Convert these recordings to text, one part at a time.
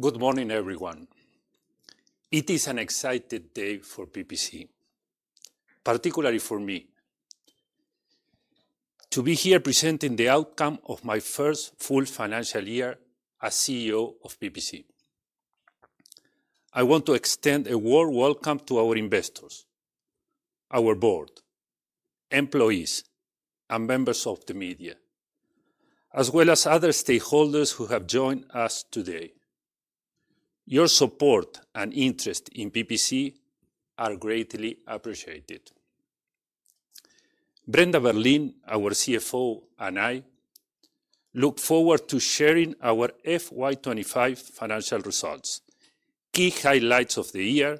Good morning, everyone. It is an exciting day for PPC, particularly for me, to be here presenting the outcome of my first full financial year as CEO of PPC. I want to extend a warm welcome to our investors, our board, employees, and members of the media, as well as other stakeholders who have joined us today. Your support and interest in PPC are greatly appreciated. Brenda Berlin, our CFO, and I look forward to sharing our FY25 financial results, key highlights of the year,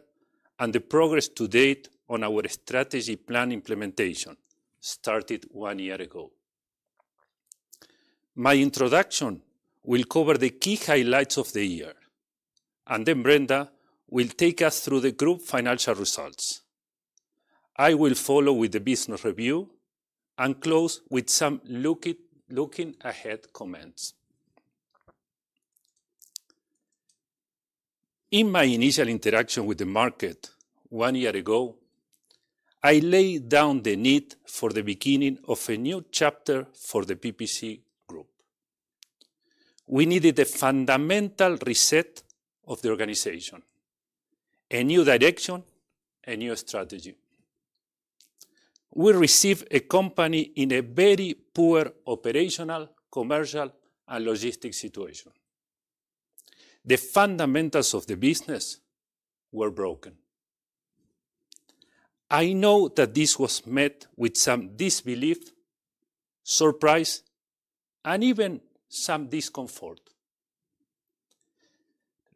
and the progress to date on our strategy plan implementation started one year ago. My introduction will cover the key highlights of the year, and then Brenda will take us through the group financial results. I will follow with the business review and close with some looking ahead comments. In my initial interaction with the market one year ago, I laid down the need for the beginning of a new chapter for the PPC group. We needed a fundamental reset of the organization, a new direction, a new strategy. We received a company in a very poor operational, commercial, and logistic situation. The fundamentals of the business were broken. I know that this was met with some disbelief, surprise, and even some discomfort.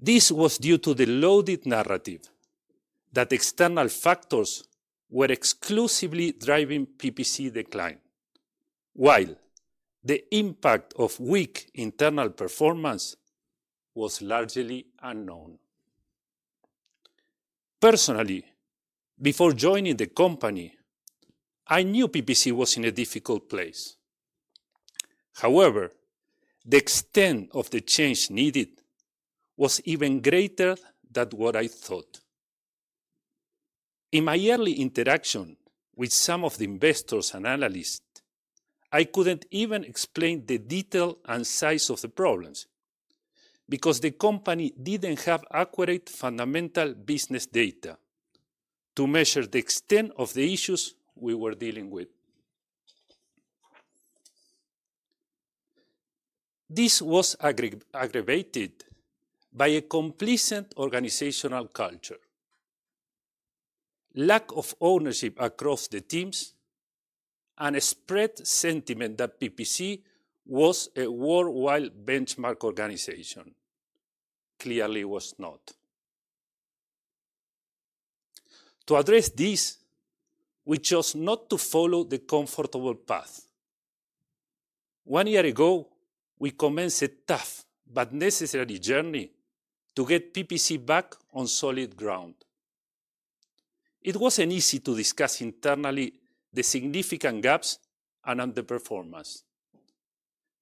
This was due to the loaded narrative that external factors were exclusively driving PPC decline, while the impact of weak internal performance was largely unknown. Personally, before joining the company, I knew PPC was in a difficult place. However, the extent of the change needed was even greater than what I thought. In my early interaction with some of the investors and analysts, I couldn't even explain the detail and size of the problems because the company didn't have accurate fundamental business data to measure the extent of the issues we were dealing with. This was aggravated by a complacent organizational culture, lack of ownership across the teams, and a spread sentiment that PPC was a worldwide benchmark organization. Clearly, it was not. To address this, we chose not to follow the comfortable path. One year ago, we commenced a tough but necessary journey to get PPC back on solid ground. It wasn't easy to discuss internally the significant gaps and underperformance,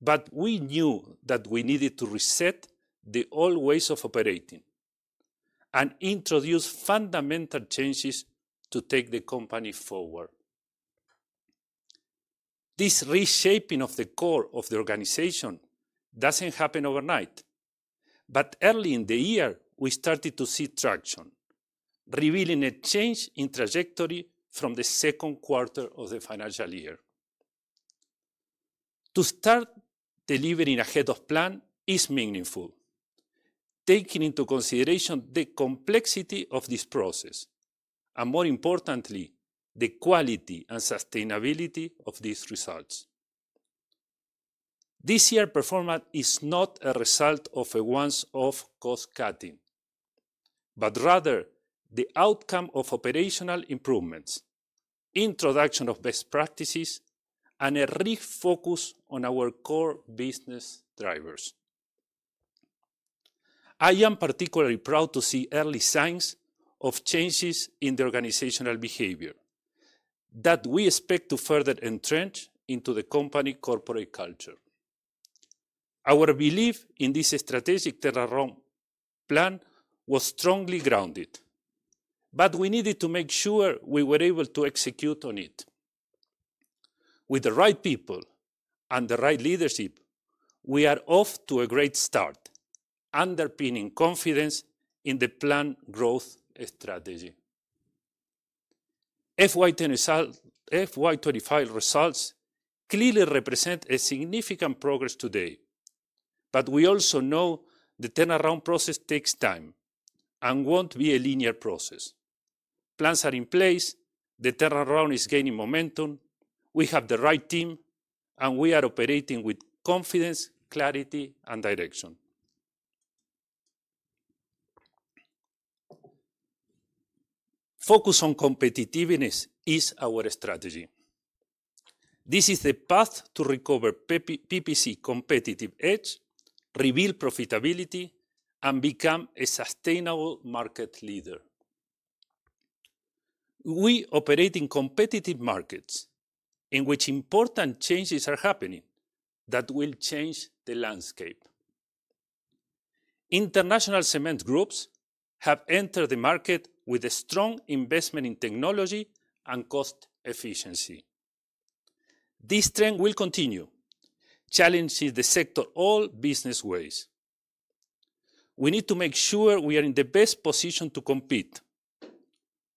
but we knew that we needed to reset the old ways of operating and introduce fundamental changes to take the company forward. This reshaping of the core of the organization does not happen overnight, but early in the year, we started to see traction, revealing a change in trajectory from the second quarter of the financial year. To start delivering ahead of plan is meaningful, taking into consideration the complexity of this process and, more importantly, the quality and sustainability of these results. This year's performance is not a result of a once-off cost cutting, but rather the outcome of operational improvements, introduction of best practices, and a refocus on our core business drivers. I am particularly proud to see early signs of changes in the organizational behavior that we expect to further entrench into the company corporate culture. Our belief in this strategic turnaround plan was strongly grounded, but we needed to make sure we were able to execute on it. With the right people and the right leadership, we are off to a great start, underpinning confidence in the planned growth strategy. FY2025 results clearly represent significant progress today, but we also know the turnaround process takes time and will not be a linear process. Plans are in place, the turnaround is gaining momentum, we have the right team, and we are operating with confidence, clarity, and direction. Focus on competitiveness is our strategy. This is the path to recover PPC competitive edge, reveal profitability, and become a sustainable market leader. We operate in competitive markets in which important changes are happening that will change the landscape. International cement groups have entered the market with a strong investment in technology and cost efficiency. This trend will continue, challenging the sector all business ways. We need to make sure we are in the best position to compete.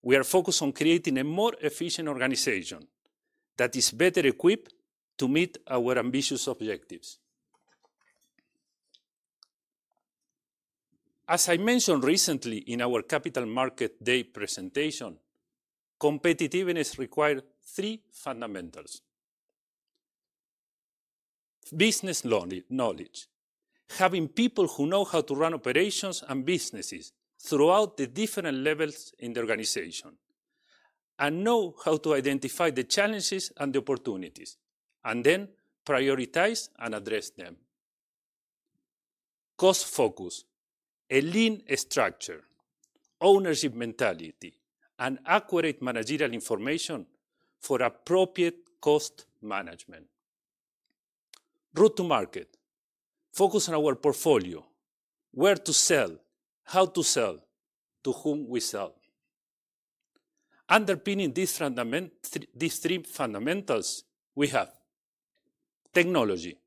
We are focused on creating a more efficient organization that is better equipped to meet our ambitious objectives. As I mentioned recently in our Capital Market Day presentation, competitiveness requires three fundamentals: business knowledge, having people who know how to run operations and businesses throughout the different levels in the organization, and know how to identify the challenges and the opportunities, and then prioritize and address them. Cost focus, a lean structure, ownership mentality, and accurate managerial information for appropriate cost management. Road to market, focus on our portfolio, where to sell, how to sell, to whom we sell. Underpinning these three fundamentals, we have technology,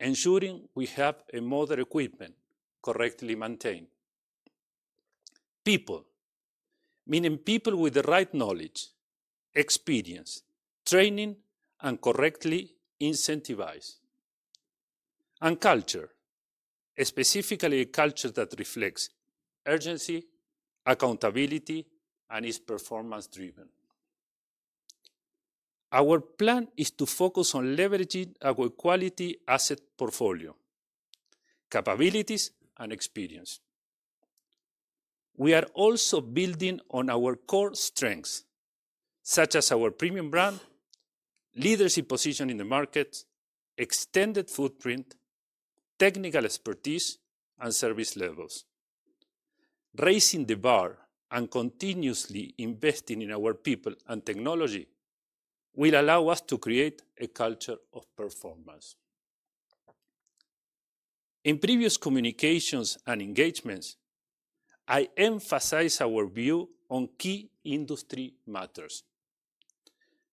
ensuring we have modern equipment correctly maintained. People, meaning people with the right knowledge, experience, training, and correctly incentivized. Culture, specifically a culture that reflects urgency, accountability, and is performance-driven. Our plan is to focus on leveraging our quality asset portfolio, capabilities, and experience. We are also building on our core strengths, such as our premium brand, leadership position in the market, extended footprint, technical expertise, and service levels. Raising the bar and continuously investing in our people and technology will allow us to create a culture of performance. In previous communications and engagements, I emphasized our view on key industry matters.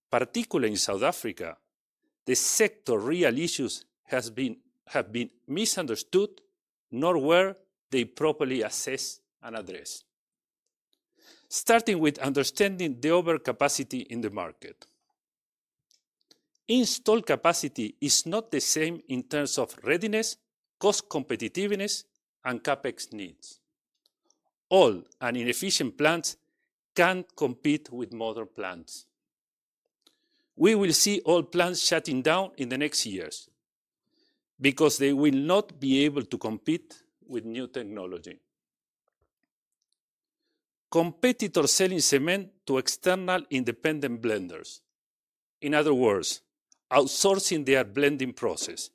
Particularly in South Africa, the sector's real issues have been misunderstood nor were they properly assessed and addressed, starting with understanding the overcapacity in the market. Installed capacity is not the same in terms of readiness, cost competitiveness, and CapEx needs. All inefficient plants can't compete with modern plants. We will see all plants shutting down in the next years because they will not be able to compete with new technology. Competitors selling cement to external independent blenders, in other words, outsourcing their blending process,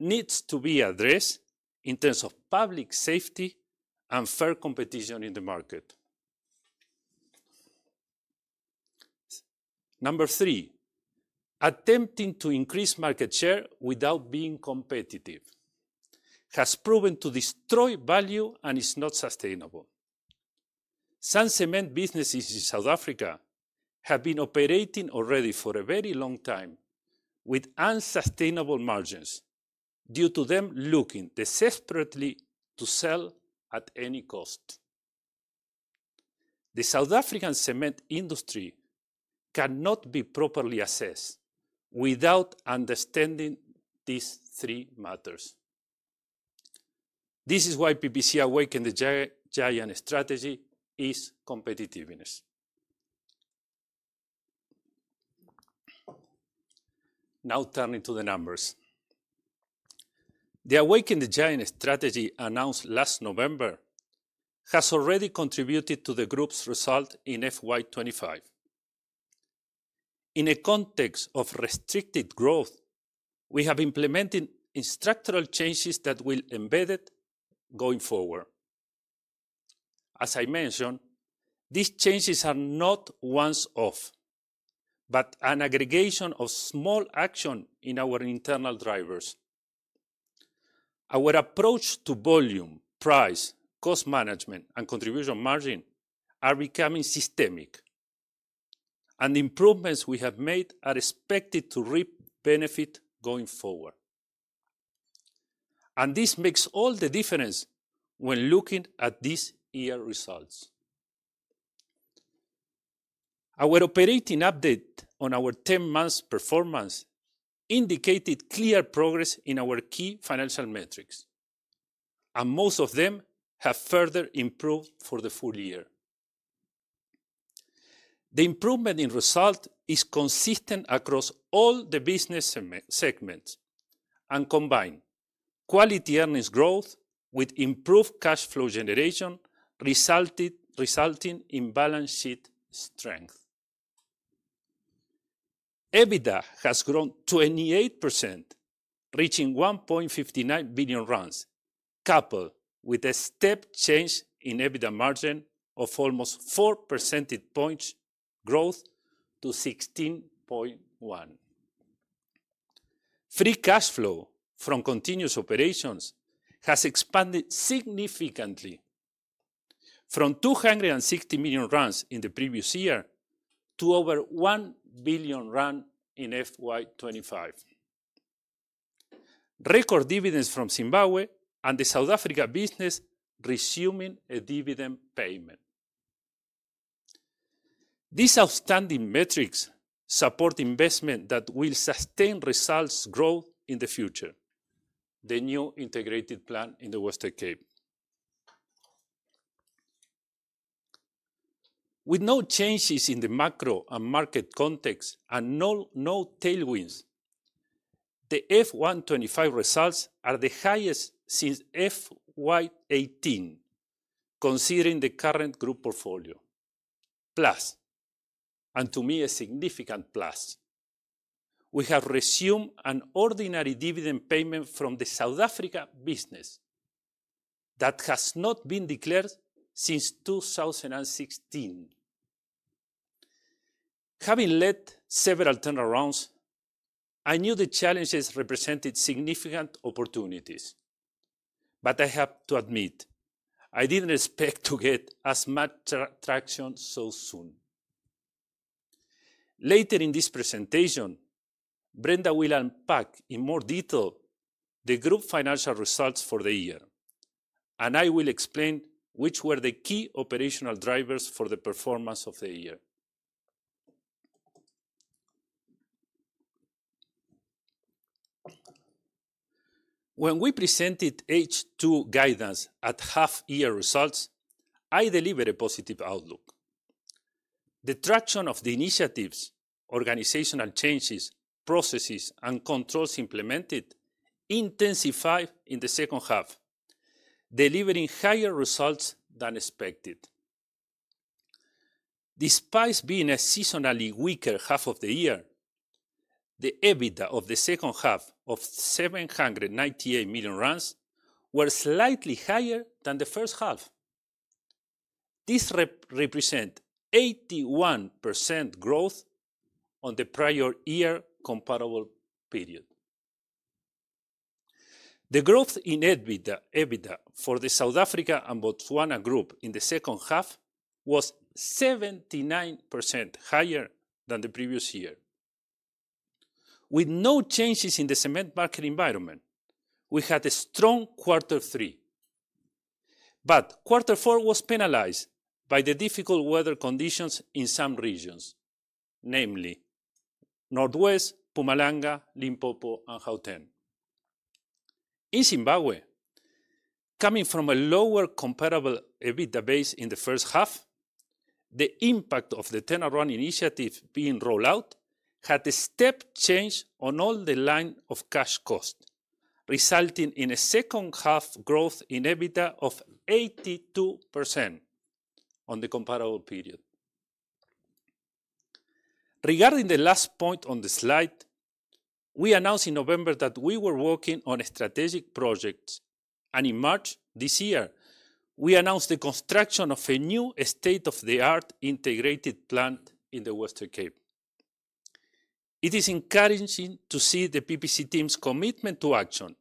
needs to be addressed in terms of public safety and fair competition in the market. Number three, attempting to increase market share without being competitive has proven to destroy value and is not sustainable. Some cement businesses in South Africa have been operating already for a very long time with unsustainable margins due to them looking desperately to sell at any cost. The South African cement industry cannot be properly assessed without understanding these three matters. This is why PPC Awaken the Giant strategy is competitiveness. Now, turning to the numbers. The Awaken the Giant strategy announced last November has already contributed to the group's result in FY2025. In a context of restricted growth, we have implemented structural changes that will be embedded going forward. As I mentioned, these changes are not once-off, but an aggregation of small actions in our internal drivers. Our approach to volume, price, cost management, and contribution margin are becoming systemic, and the improvements we have made are expected to reap benefits going forward. This makes all the difference when looking at this year's results. Our operating update on our 10-month performance indicated clear progress in our key financial metrics, and most of them have further improved for the full year. The improvement in results is consistent across all the business segments, and combine quality earnings growth with improved cash flow generation resulting in balance sheet strength. EBITDA has grown 28%, reaching 1.59 billion, coupled with a step change in EBITDA margin of almost 4 percentage points growth to 16.1%. Free cash flow from continuous operations has expanded significantly from 260 million in the previous year to over 1 billion in FY2025. Record dividends from Zimbabwe and the South Africa business resuming a dividend payment. These outstanding metrics support investment that will sustain results' growth in the future. The new integrated plan in the Western Cape. With no changes in the macro and market context and no tailwinds, the FY2025 results are the highest since FY2018, considering the current group portfolio. Plus, and to me, a significant plus, we have resumed an ordinary dividend payment from the South Africa business that has not been declared since 2016. Having led several turnarounds, I knew the challenges represented significant opportunities, but I have to admit, I did not expect to get as much traction so soon. Later in this presentation, Brenda will unpack in more detail the group financial results for the year, and I will explain which were the key operational drivers for the performance of the year. When we presented H2 guidance at half-year results, I delivered a positive outlook. The traction of the initiatives, organizational changes, processes, and controls implemented intensified in the second half, delivering higher results than expected. Despite being a seasonally weaker half of the year, the EBITDA of the second half of 798 million was slightly higher than the first half. This represents 81% growth on the prior year comparable period. The growth in EBITDA for the South Africa and Botswana group in the second half was 79% higher than the previous year. With no changes in the cement market environment, we had a strong quarter 3, but quarter 4 was penalized by the difficult weather conditions in some regions, namely North West, Mpumalanga, Limpopo, and Gauteng. In Zimbabwe, coming from a lower comparable EBITDA base in the first half, the impact of the turnaround initiative being rolled out had a step change on all the line of cash cost, resulting in a second-half growth in EBITDA of 82% on the comparable period. Regarding the last point on the slide, we announced in November that we were working on strategic projects, and in March this year, we announced the construction of a new state-of-the-art integrated plant in the Western Cape. It is encouraging to see the PPC team's commitment to action,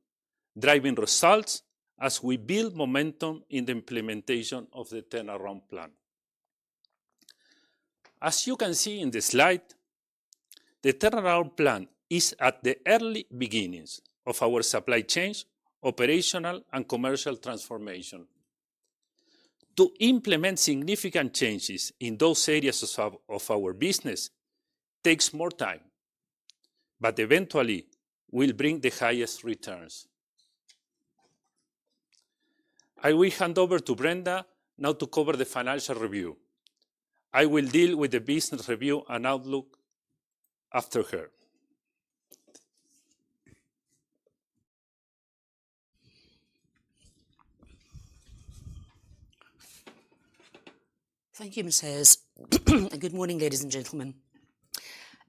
driving results as we build momentum in the implementation of the turnaround plan. As you can see in the slide, the turnaround plan is at the early beginnings of our supply chains, operational, and commercial transformation. To implement significant changes in those areas of our business takes more time, but eventually, we'll bring the highest returns. I will hand over to Brenda now to cover the financial review. I will deal with the business review and outlook after her. Thank you, Matthias. Good morning, ladies and gentlemen.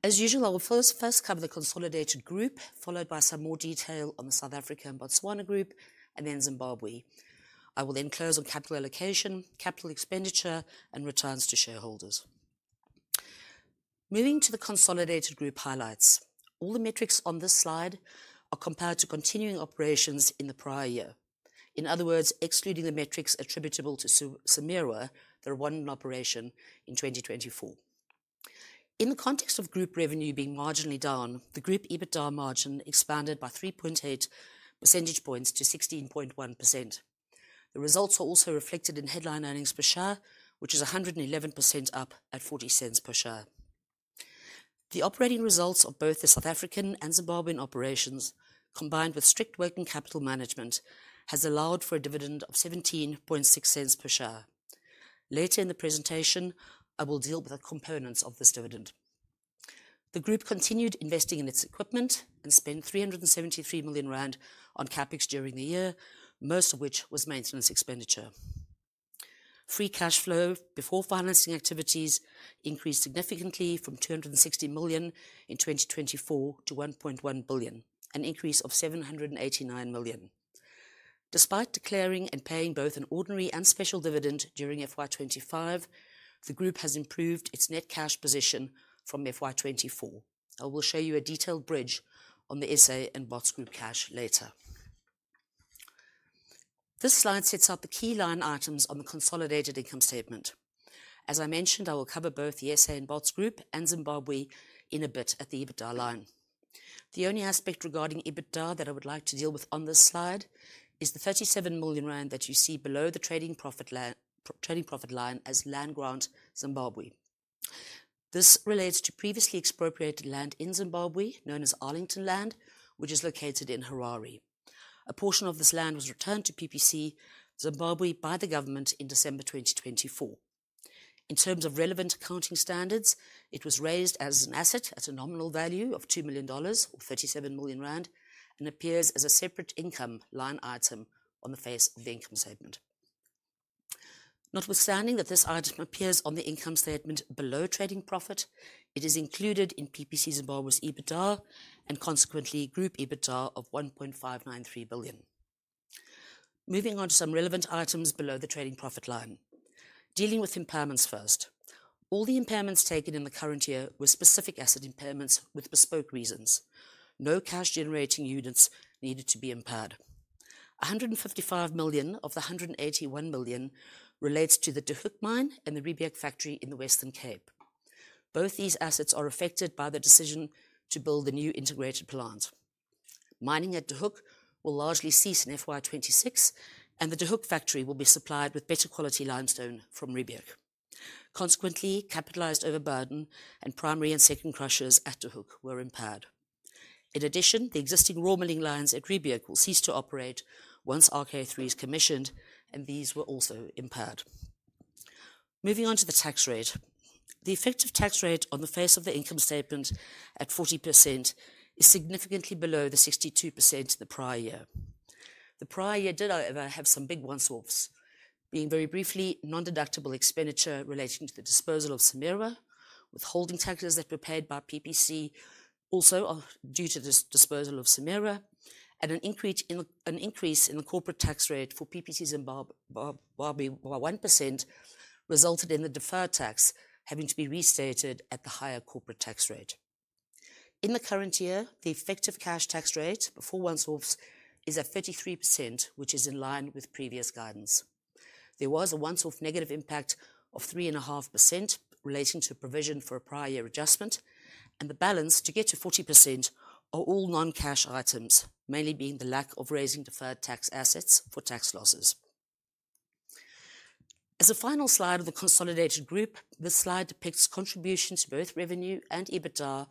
As usual, I will first cover the consolidated group, followed by some more detail on the South Africa and Botswana group, and then Zimbabwe. I will then close on capital allocation, capital expenditure, and returns to shareholders. Moving to the consolidated group highlights, all the metrics on this slide are compared to continuing operations in the prior year. In other words, excluding the metrics attributable to CIMERWA, there were one operation in 2024. In the context of group revenue being marginally down, the group EBITDA margin expanded by 3.8 percentage points to 16.1%. The results are also reflected in headline earnings per share, which is 111% up at 0.40 per share. The operating results of both the South African and Zimbabwean operations, combined with strict working capital management, have allowed for a dividend of 0.176 per share. Later in the presentation, I will deal with the components of this dividend. The group continued investing in its equipment and spent 373 million rand on CapEx during the year, most of which was maintenance expenditure. Free cash flow before financing activities increased significantly from 260 million in 2024 to 1.1 billion, an increase of 789 million. Despite declaring and paying both an ordinary and special dividend during FY2025, the group has improved its net cash position from FY2024. I will show you a detailed bridge on the SA and Bots group cash later. This slide sets up the key line items on the consolidated income statement. As I mentioned, I will cover both the SA and Bots group and Zimbabwe in a bit at the EBITDA line. The only aspect regarding EBITDA that I would like to deal with on this slide is the 37 million rand that you see below the trading profit line as land grant Zimbabwe. This relates to previously expropriated land in Zimbabwe known as Arlington land, which is located in Harare. A portion of this land was returned to PPC Zimbabwe by the government in December 2024. In terms of relevant accounting standards, it was raised as an asset at a nominal value of $2 million or 37 million rand and appears as a separate income line item on the face of the income statement. Notwithstanding that this item appears on the income statement below trading profit, it is included in PPC Zimbabwe's EBITDA and consequently group EBITDA of 1.593 billion. Moving on to some relevant items below the trading profit line. Dealing with impairments first. All the impairments taken in the current year were specific asset impairments with bespoke reasons. No cash-generating units needed to be impaired. 155 million of the 181 million relates to De Hoek mine and the Riebeeck factory in the Western Cape. Both these assets are affected by the decision to build the new integrated plant. Mining De Hoek will largely cease in FY26, and De Hoek factory will be supplied with better quality limestone from Riebeeck. Consequently, capitalized overburden and primary and second crushers De Hoek were impaired. In addition, the existing raw milling lines at Riebeeck will cease to operate once RK3 is commissioned, and these were also impaired. Moving on to the tax rate. The effective tax rate on the face of the income statement at 40% is significantly below the 62% the prior year. The prior year did, however, have some big ones off, being very briefly non-deductible expenditure relating to the disposal of CIMERWA, withholding taxes that were paid by PPC also due to the disposal of CIMERWA, and an increase in the corporate tax rate for PPC Zimbabwe by 1% resulted in the deferred tax having to be restated at the higher corporate tax rate. In the current year, the effective cash tax rate before once-offs is at 33%, which is in line with previous guidance. There was a once-off negative impact of 3.5% relating to provision for a prior year adjustment, and the balance to get to 40% are all non-cash items, mainly being the lack of raising deferred tax assets for tax losses. As a final slide of the consolidated group, this slide depicts contributions to both revenue and EBITDA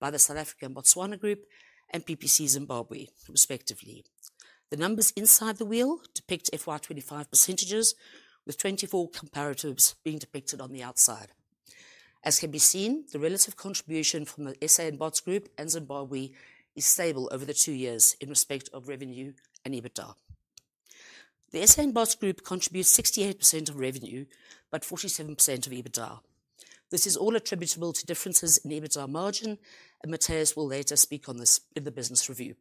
by the South African Botswana group and PPC Zimbabwe, respectively. The numbers inside the wheel depict FY2025 percentages, with 2024 comparatives being depicted on the outside. As can be seen, the relative contribution from the SA and Bots group and Zimbabwe is stable over the two years in respect of revenue and EBITDA. The SA and Bots group contributes 68% of revenue, but 47% of EBITDA. This is all attributable to differences in EBITDA margin, and Matthias will later speak on this in the business review.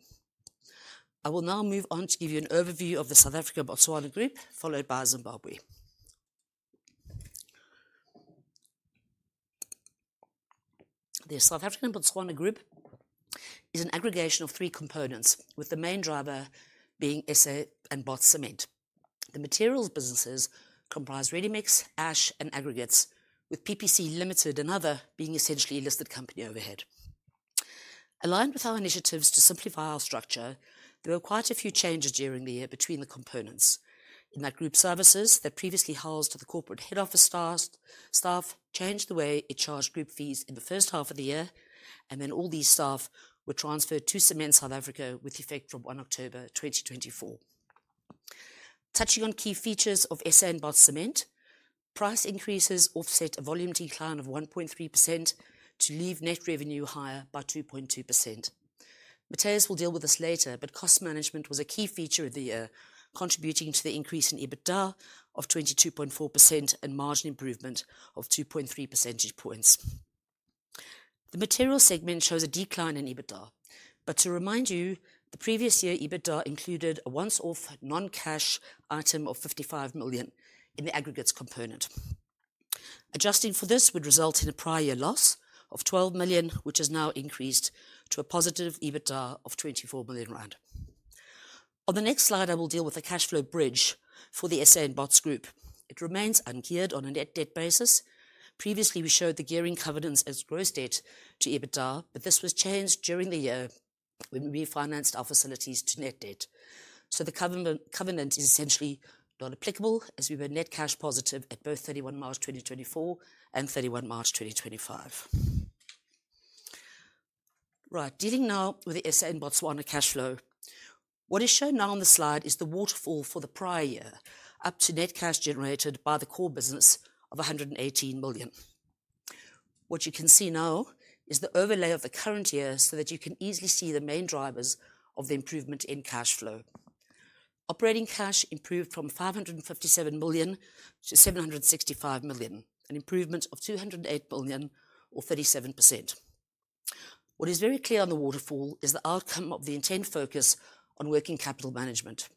I will now move on to give you an overview of the South Africa Botswana group, followed by Zimbabwe. The South Africa Botswana group is an aggregation of three components, with the main driver being SA and Bots cement. The materials businesses comprise ready mix, ash, and aggregates, with PPC Limited and other being essentially a listed company overhead. Aligned with our initiatives to simplify our structure, there were quite a few changes during the year between the components. In that group, services that previously held to the corporate head office staff changed the way it charged group fees in the first half of the year, and then all these staff were transferred to Cement South Africa with effect from 1 October, 2024. Touching on key features of SA and Bots cement, price increases offset a volume decline of 1.3% to leave net revenue higher by 2.2%. Matthias will deal with this later, but cost management was a key feature of the year, contributing to the increase in EBITDA of 22.4% and margin improvement of 2.3 percentage points. The materials segment shows a decline in EBITDA, but to remind you, the previous year EBITDA included a once-off non-cash item of 55 million in the aggregates component. Adjusting for this would result in a prior year loss of 12 million, which has now increased to a positive EBITDA of 24 million rand. On the next slide, I will deal with the cash flow bridge for the SA and Bots group. It remains ungeared on a net debt basis. Previously, we showed the gearing covenants as gross debt to EBITDA, but this was changed during the year when we refinanced our facilities to net debt. The covenant is essentially not applicable as we were net cash positive at both 31 March, 2024 and 31 March, 2025. Right, dealing now with the SA and Botswana cash flow. What is shown now on the slide is the waterfall for the prior year up to net cash generated by the core business of 118 million. What you can see now is the overlay of the current year so that you can easily see the main drivers of the improvement in cash flow. Operating cash improved from 557 million to 765 million, an improvement of 208 million or 37%. What is very clear on the waterfall is the outcome of the intent focus on working capital management.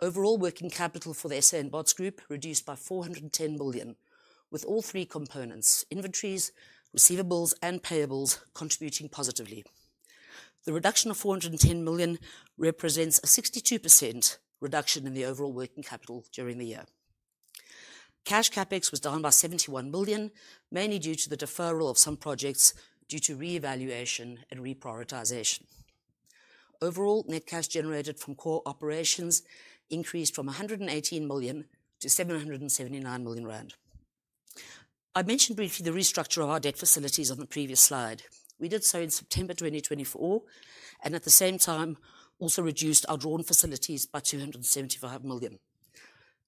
Overall working capital for the SA and Bots group reduced by 410 million, with all three components, inventories, receivables, and payables contributing positively. The reduction of 410 million represents a 62% reduction in the overall working capital during the year. Cash CapEx was down by 71 million, mainly due to the deferral of some projects due to reevaluation and reprioritization. Overall net cash generated from core operations increased from 118 million-779 million rand. I mentioned briefly the restructure of our debt facilities on the previous slide. We did so in September 2024, and at the same time, also reduced our drawn facilities by 275 million.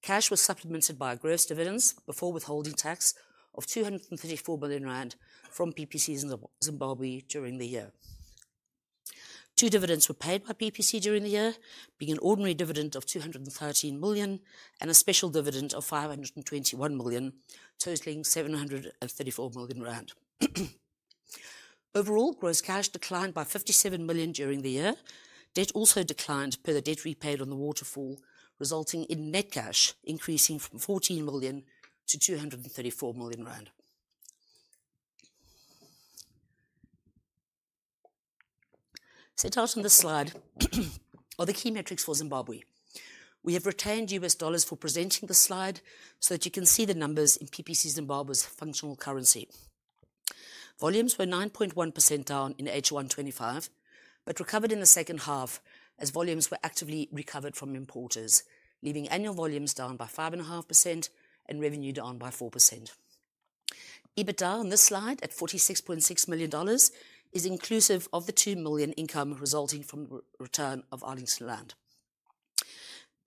Cash was supplemented by a gross dividend before withholding tax of 234 million rand from PPC Zimbabwe during the year. Two dividends were paid by PPC during the year, being an ordinary dividend of 213 million and a special dividend of 521 million, totaling 734 million rand. Overall gross cash declined by 57 million during the year. Debt also declined per the debt repaid on the waterfall, resulting in net cash increasing from 14 million-234 million rand. Set out on this slide are the key metrics for Zimbabwe. We have retained US dollars for presenting the slide so that you can see the numbers in PPC Zimbabwe's functional currency. Volumes were 9.1% down in H1 2025, but recovered in the second half as volumes were actively recovered from importers, leaving annual volumes down by 5.5% and revenue down by 4%. EBITDA on this slide at $46.6 million is inclusive of the $2 million income resulting from the return of Arlington land.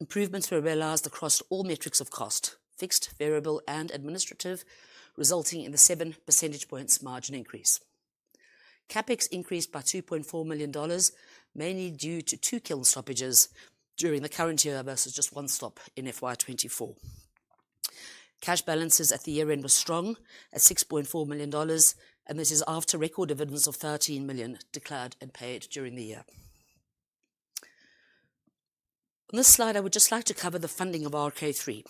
Improvements were realized across all metrics of cost, fixed, variable, and administrative, resulting in the 7 percentage points margin increase. CapEx increased by $2.4 million, mainly due to two kiln stoppages during the current year versus just one stop in 2024. Cash balances at the year-end were strong at $6.4 million, and this is after record dividends of $13 million declared and paid during the year. On this slide, I would just like to cover the funding of RK3.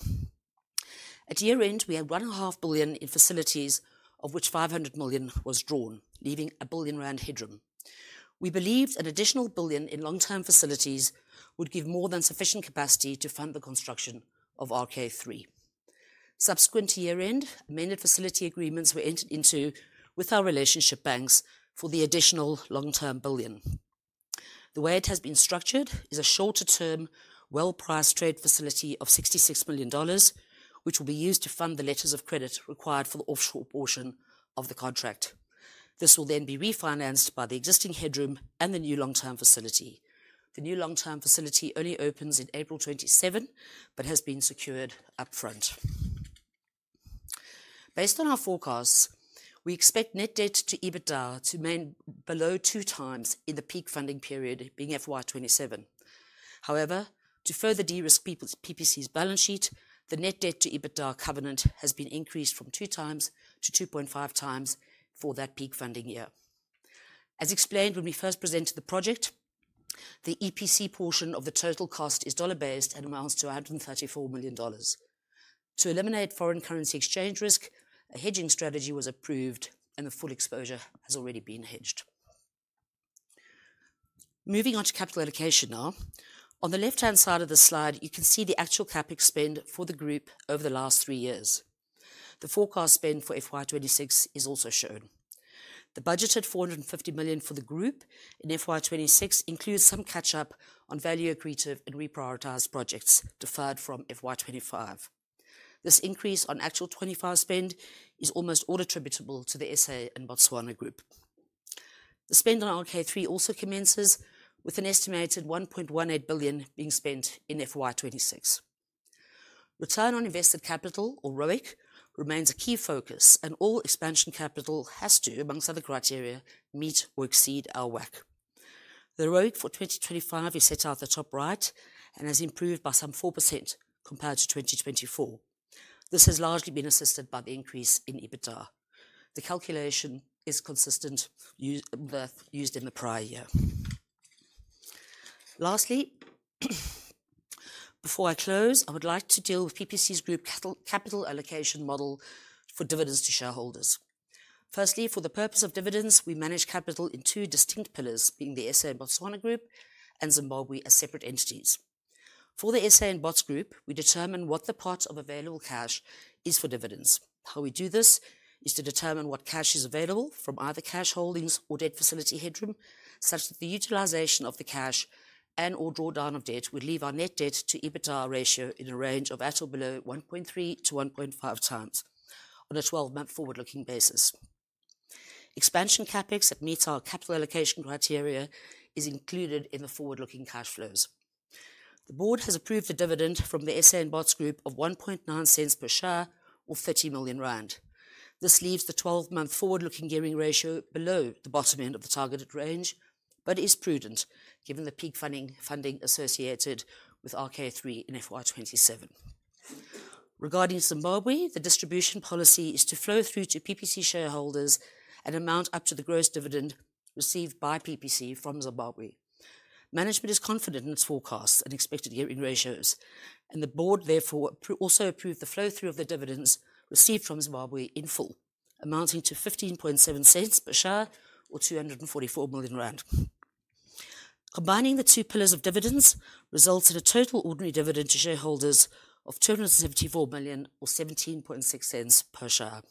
At year-end, we had 1.5 billion in facilities, of which 500 million was drawn, leaving 1 billion rand headroom. We believed an additional 1 billion in long-term facilities would give more than sufficient capacity to fund the construction of RK3. Subsequent to year-end, amended facility agreements were entered into with our relationship banks for the additional long-term 1 billion. The way it has been structured is a shorter-term, well-priced trade facility of $66 million, which will be used to fund the letters of credit required for the offshore portion of the contract. This will then be refinanced by the existing headroom and the new long-term facility. The new long-term facility only opens in April 2027, but has been secured upfront. Based on our forecasts, we expect net debt to EBITDA to remain below two times in the peak funding period, being FY2027. However, to further de-risk PPC's balance sheet, the net debt to EBITDA covenant has been increased from 2 times-2.5 times for that peak funding year. As explained when we first presented the project, the EPC portion of the total cost is dollar-based and amounts to $134 million. To eliminate foreign currency exchange risk, a hedging strategy was approved, and the full exposure has already been hedged. Moving on to capital allocation now. On the left-hand side of the slide, you can see the actual CapEx spend for the group over the last three years. The forecast spend for FY2026 is also shown. The budgeted 450 million for the group in FY2026 includes some catch-up on value-accretive and reprioritized projects deferred from FY2025. This increase on actual 2025 spend is almost all attributable to the SA and Botswana group. The spend on RK3 also commences, with an estimated 1.18 billion being spent in FY2026. Return on invested capital, or ROIC, remains a key focus, and all expansion capital has to, amongst other criteria, meet or exceed our WACC. The ROIC for 2025 is set out at the top right and has improved by some 4% compared to 2024. This has largely been assisted by the increase in EBITDA. The calculation is consistent with that used in the prior year. Lastly, before I close, I would like to deal with PPC's group capital allocation model for dividends to shareholders. Firstly, for the purpose of dividends, we manage capital in two distinct pillars, being the SA and Botswana group and Zimbabwe as separate entities. For the SA and Bots group, we determine what the part of available cash is for dividends. How we do this is to determine what cash is available from either cash holdings or debt facility headroom, such that the utilization of the cash and/or drawdown of debt would leave our net debt to EBITDA ratio in a range of at or below 1.3 times-1.5 times on a 12-month forward-looking basis. Expansion CapEx that meets our capital allocation criteria is included in the forward-looking cash flows. The board has approved the dividend from the SA and Bots group of 0.019 per share or 30 million rand. This leaves the 12-month forward-looking gearing ratio below the bottom end of the targeted range, but is prudent given the peak funding associated with RK3 in FY2027. Regarding Zimbabwe, the distribution policy is to flow through to PPC shareholders and amount up to the gross dividend received by PPC from Zimbabwe. Management is confident in its forecasts and expected gearing ratios, and the board therefore also approved the flow through of the dividends received from Zimbabwe in full, amounting to 0.157 per share or 244 million rand. Combining the two pillars of dividends results in a total ordinary dividend to shareholders of 274 million or 0.176 per share.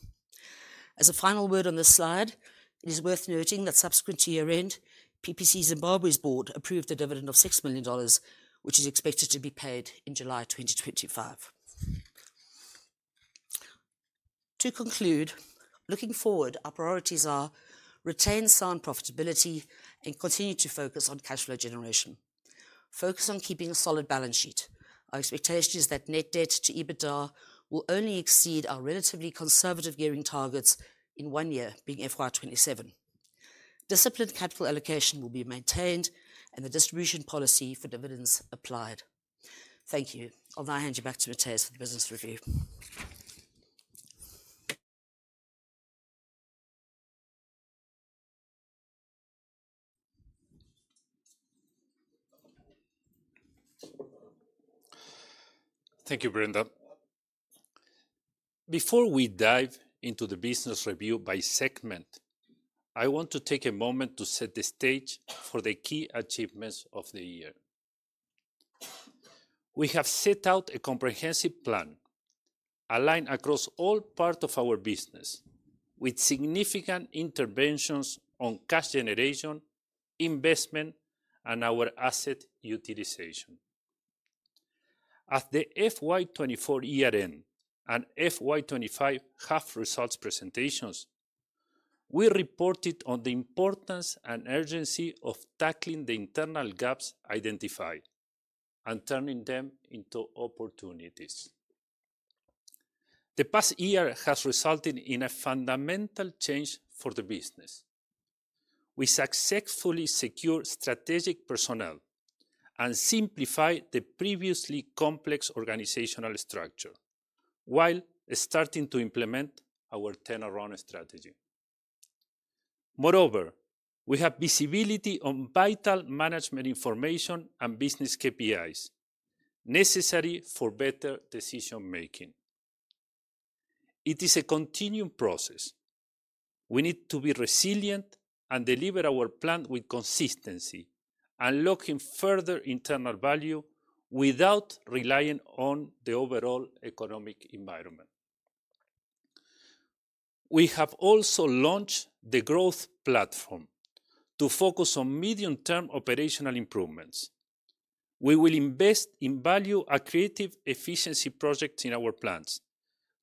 As a final word on this slide, it is worth noting that subsequent to year-end, PPC Zimbabwe's board approved the dividend of $6 million, which is expected to be paid in July 2025. To conclude, looking forward, our priorities are retain sound profitability and continue to focus on cash flow generation. Focus on keeping a solid balance sheet. Our expectation is that net debt to EBITDA will only exceed our relatively conservative gearing targets in one year, being FY2027. Disciplined capital allocation will be maintained and the distribution policy for dividends applied. Thank you. I'll now hand you back to Matthias for the business review. Thank you, Brenda. Before we dive into the business review by segment, I want to take a moment to set the stage for the key achievements of the year. We have set out a comprehensive plan aligned across all parts of our business, with significant interventions on cash generation, investment, and our asset utilization. At the FY2024 year-end and FY2025 half-results presentations, we reported on the importance and urgency of tackling the internal gaps identified and turning them into opportunities. The past year has resulted in a fundamental change for the business. We successfully secured strategic personnel and simplified the previously complex organizational structure, while starting to implement our turnaround strategy. Moreover, we have visibility on vital management information and business KPIs necessary for better decision-making. It is a continuum process. We need to be resilient and deliver our plan with consistency, unlocking further internal value without relying on the overall economic environment. We have also launched the growth platform to focus on medium-term operational improvements. We will invest in value-accretive efficiency projects in our plants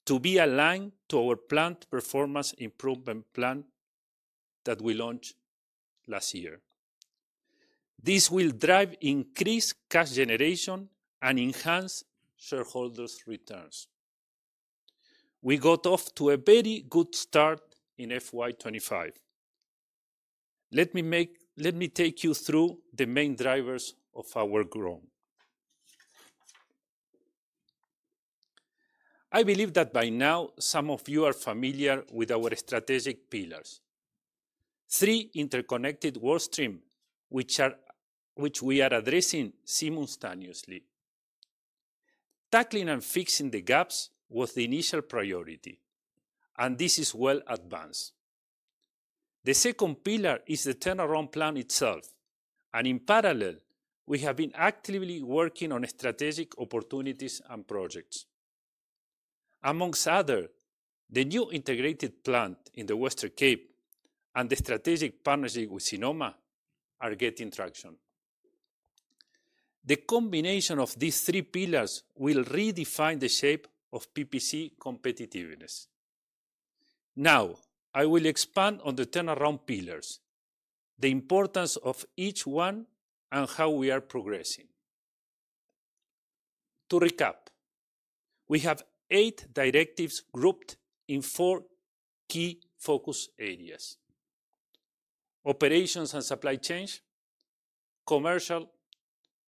to be aligned to our plant performance improvement plan that we launched last year. This will drive increased cash generation and enhance shareholders' returns. We got off to a very good start in FY2025. Let me take you through the main drivers of our growth. I believe that by now, some of you are familiar with our strategic pillars: three interconnected work streams, which we are addressing simultaneously. Tackling and fixing the gaps was the initial priority, and this is well advanced. The second pillar is the turnaround plan itself, and in parallel, we have been actively working on strategic opportunities and projects. Amongst others, the new integrated plant in the Western Cape and the strategic partnership with Sinoma are getting traction. The combination of these three pillars will redefine the shape of PPC competitiveness. Now, I will expand on the turnaround pillars, the importance of each one, and how we are progressing. To recap, we have eight directives grouped in four key focus areas: operations and supply chain, commercial,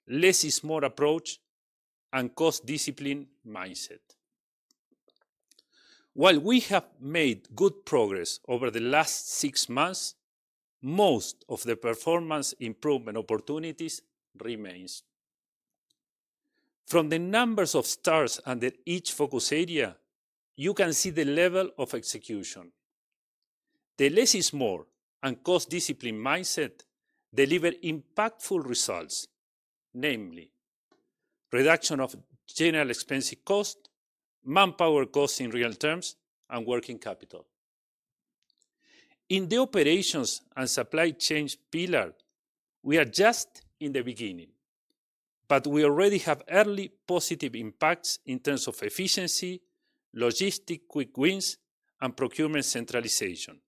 less is more approach, and cost discipline mindset. While we have made good progress over the last six months, most of the performance improvement opportunities remain. From the numbers of stars under each focus area, you can see the level of execution. The less is more and cost discipline mindset deliver impactful results, namely reduction of general expense cost, manpower cost in real terms, and working capital. In the operations and supply chain pillar, we are just in the beginning, but we already have early positive impacts in terms of efficiency, logistic quick wins, and procurement centralization,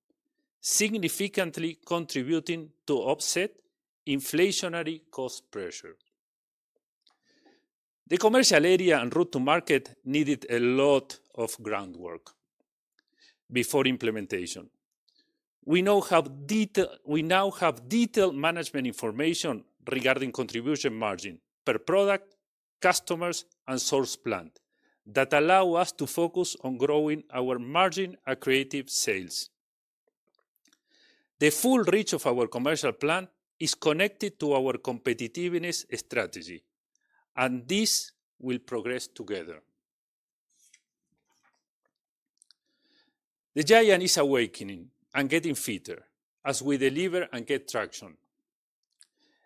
significantly contributing to offset inflationary cost pressure. The commercial area and route to market needed a lot of groundwork before implementation. We now have detailed management information regarding contribution margin per product, customers, and source plant that allow us to focus on growing our margin-accretive sales. The full reach of our commercial plant is connected to our competitiveness strategy, and this will progress together. The giant is awakening and getting fitter as we deliver and get traction.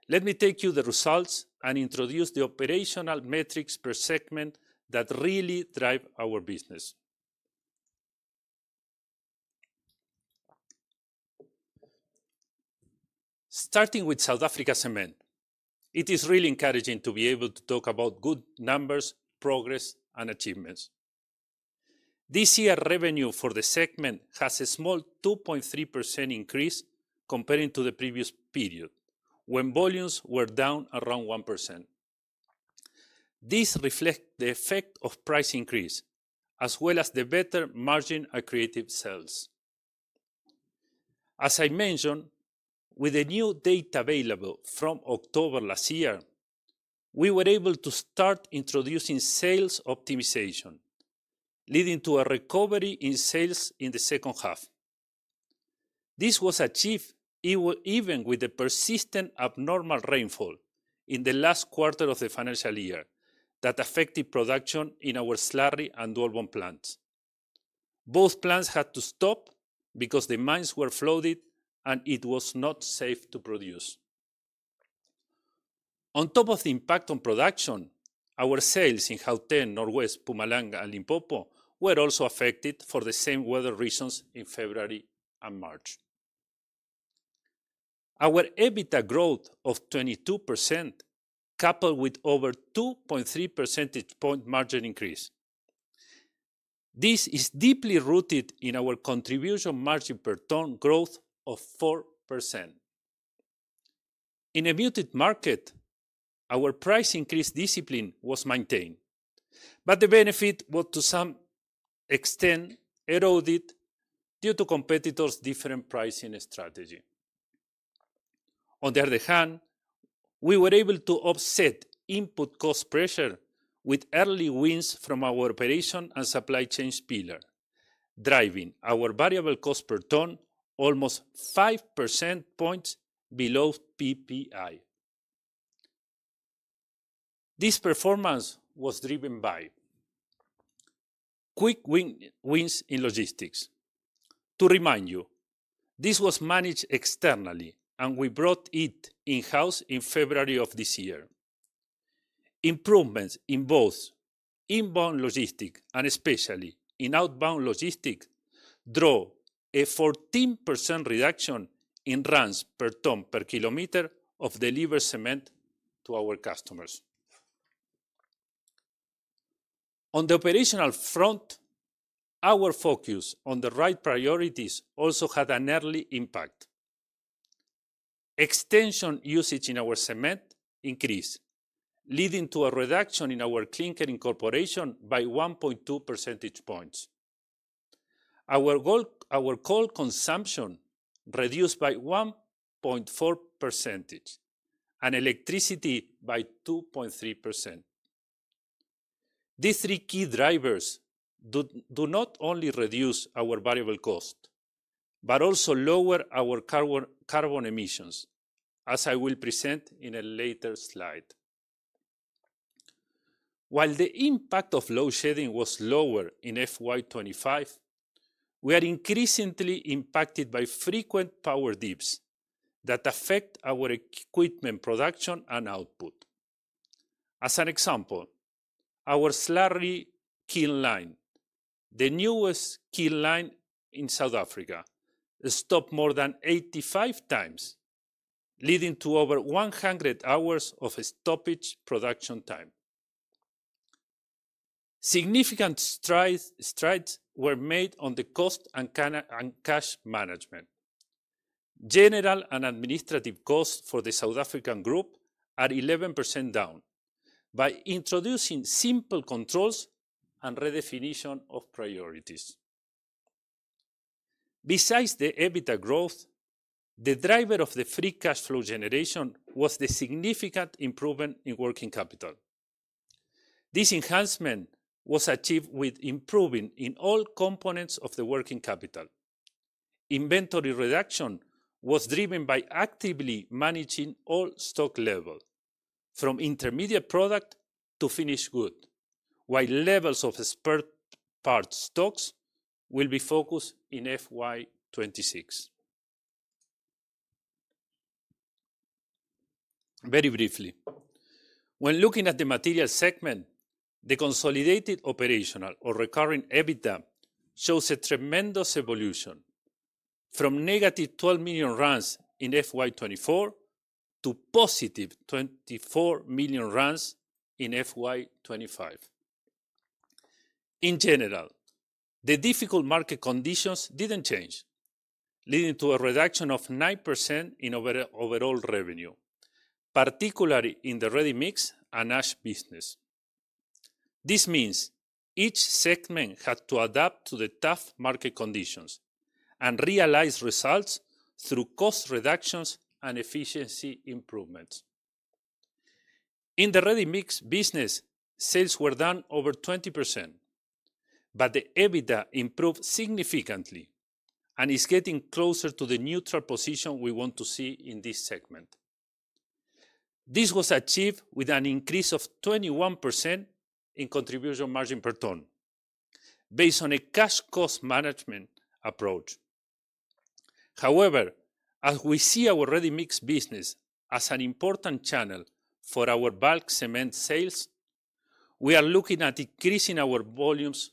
Let me take you to the results and introduce the operational metrics per segment that really drive our business. Starting with South Africa cement, it is really encouraging to be able to talk about good numbers, progress, and achievements. This year, revenue for the segment has a small 2.3% increase compared to the previous period, when volumes were down around 1%. This reflects the effect of price increase, as well as the better margin-accretive sales. As I mentioned, with the new data available from October last year, we were able to start introducing sales optimization, leading to a recovery in sales in the second half. This was achieved even with the persistent abnormal rainfall in the last quarter of the financial year that affected production in our Slurry and Dwaalboom plants. Both plants had to stop because the mines were flooded, and it was not safe to produce. On top of the impact on production, our sales in Gauteng, North West, Mpumalanga, and Limpopo were also affected for the same weather reasons in February and March. Our EBITDA growth of 22% coupled with over 2.3 percentage points margin increase. This is deeply rooted in our contribution margin per ton growth of 4%. In a muted market, our price increase discipline was maintained, but the benefit was, to some extent, eroded due to competitors' different pricing strategy. On the other hand, we were able to offset input cost pressure with early wins from our operation and supply chain pillar, driving our variable cost per ton almost 5% points below PPI. This performance was driven by quick wins in logistics. To remind you, this was managed externally, and we brought it in-house in February of this year. Improvements in both inbound logistics, and especially in outbound logistics, drove a 14% reduction in runs per ton per kilometer of delivered cement to our customers. On the operational front, our focus on the right priorities also had an early impact. Extension usage in our cement increased, leading to a reduction in our clinker incorporation by 1.2 percentage points. Our coal consumption reduced by 1.4% and electricity by 2.3%. These three key drivers do not only reduce our variable cost, but also lower our carbon emissions, as I will present in a later slide. While the impact of load shedding was lower in FY2025, we are increasingly impacted by frequent power dips that affect our equipment production and output. As an example, our Slurry kiln line, the newest kiln line in South Africa, stopped more than 85 times, leading to over 100 hours of stoppage production time. Significant strides were made on the cost and cash management. General and administrative costs for the South African group are 11% down by introducing simple controls and redefinition of priorities. Besides the EBITDA growth, the driver of the free cash flow generation was the significant improvement in working capital. This enhancement was achieved with improving in all components of the working capital. Inventory reduction was driven by actively managing all stock levels, from intermediate product to finished goods, while levels of spare parts stocks will be focused in FY2026. Very briefly, when looking at the materials segment, the consolidated operational or recurring EBITDA shows a tremendous evolution from -12 million in FY2024 to +24 million in FY2025. In general, the difficult market conditions did not change, leading to a reduction of 9% in overall revenue, particularly in the ready mix and ash business. This means each segment had to adapt to the tough market conditions and realize results through cost reductions and efficiency improvements. In the ready mix business, sales were down over 20%, but the EBITDA improved significantly and is getting closer to the neutral position we want to see in this segment. This was achieved with an increase of 21% in contribution margin per ton, based on a cash cost management approach. However, as we see our ready mix business as an important channel for our bulk cement sales, we are looking at increasing our volumes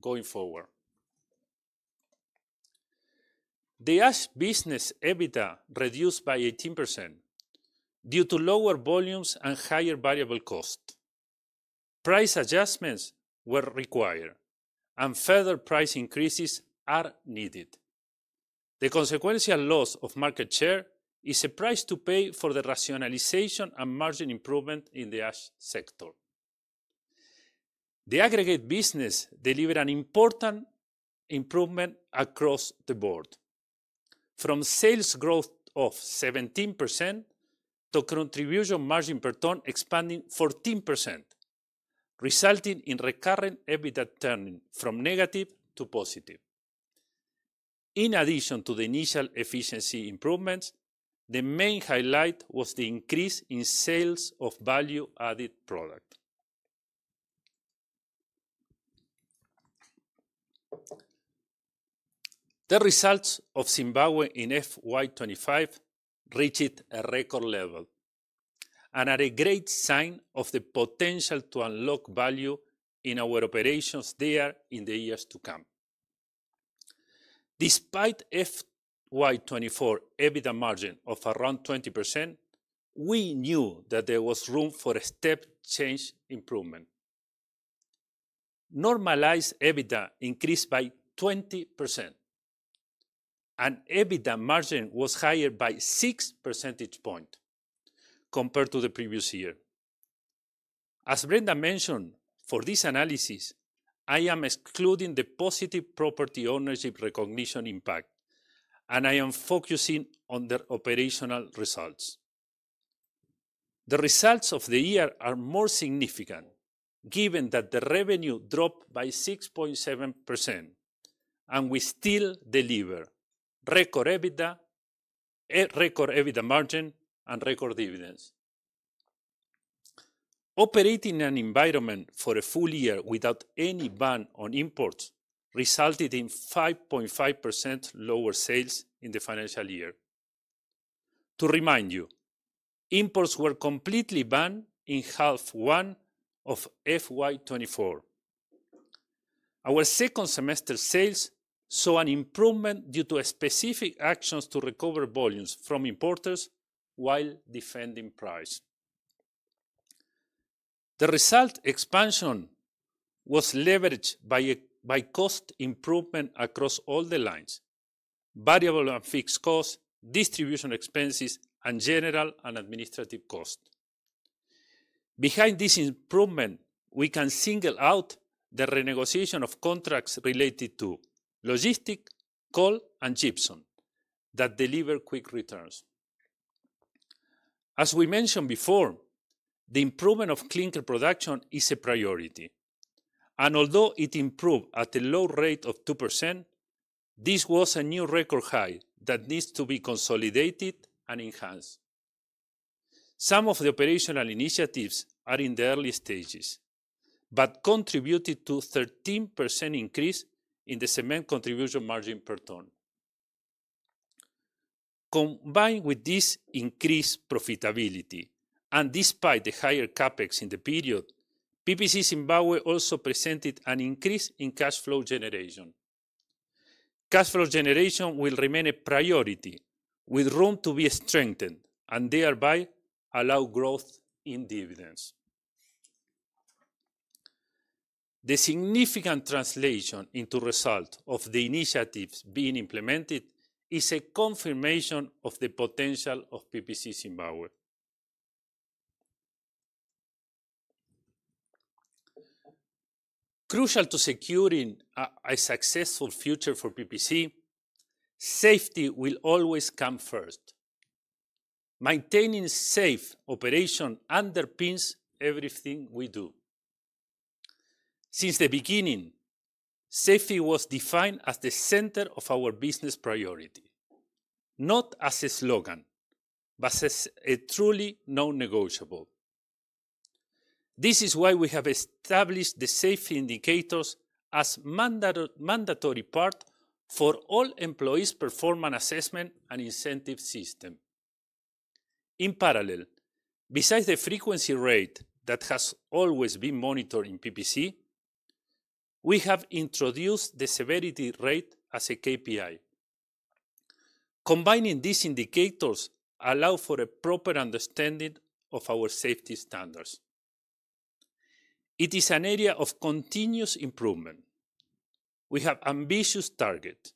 going forward. The ash business EBITDA reduced by 18% due to lower volumes and higher variable cost. Price adjustments were required, and further price increases are needed. The consequential loss of market share is a price to pay for the rationalization and margin improvement in the ash sector. The aggregates business delivered an important improvement across the board, from sales growth of 17% to contribution margin per ton expanding 14%, resulting in recurrent EBITDA turning from negative to positive. In addition to the initial efficiency improvements, the main highlight was the increase in sales of value-added product. The results of Zimbabwe in FY2025 reached a record level and are a great sign of the potential to unlock value in our operations there in the years to come. Despite FY2024 EBITDA margin of around 20%, we knew that there was room for a step-change improvement. Normalized EBITDA increased by 20%, and EBITDA margin was higher by 6 percentage points compared to the previous year. As Brenda mentioned, for this analysis, I am excluding the positive property ownership recognition impact, and I am focusing on the operational results. The results of the year are more significant, given that the revenue dropped by 6.7%, and we still deliver record EBITDA, record EBITDA margin, and record dividends. Operating in an environment for a full year without any ban on imports resulted in 5.5% lower sales in the financial year. To remind you, imports were completely banned in half one of FY2024. Our second semester sales saw an improvement due to specific actions to recover volumes from importers while defending price. The result expansion was leveraged by cost improvement across all the lines: variable and fixed costs, distribution expenses, and general and administrative costs. Behind this improvement, we can single out the renegotiation of contracts related to logistics, coal, and gypsum that deliver quick returns. As we mentioned before, the improvement of clinker production is a priority, and although it improved at a low rate of 2%, this was a new record high that needs to be consolidated and enhanced. Some of the operational initiatives are in the early stages, but contributed to a 13% increase in the cement contribution margin per ton. Combined with this increased profitability, and despite the higher CapEx in the period, PPC Zimbabwe also presented an increase in cash flow generation. Cash flow generation will remain a priority, with room to be strengthened and thereby allow growth in dividends. The significant translation into result of the initiatives being implemented is a confirmation of the potential of PPC Zimbabwe. Crucial to securing a successful future for PPC, safety will always come first. Maintaining safe operation underpins everything we do. Since the beginning, safety was defined as the center of our business priority, not as a slogan, but as a truly non-negotiable. This is why we have established the safety indicators as a mandatory part for all employees' performance assessment and incentive system. In parallel, besides the frequency rate that has always been monitored in PPC, we have introduced the severity rate as a KPI. Combining these indicators allows for a proper understanding of our safety standards. It is an area of continuous improvement. We have ambitious targets,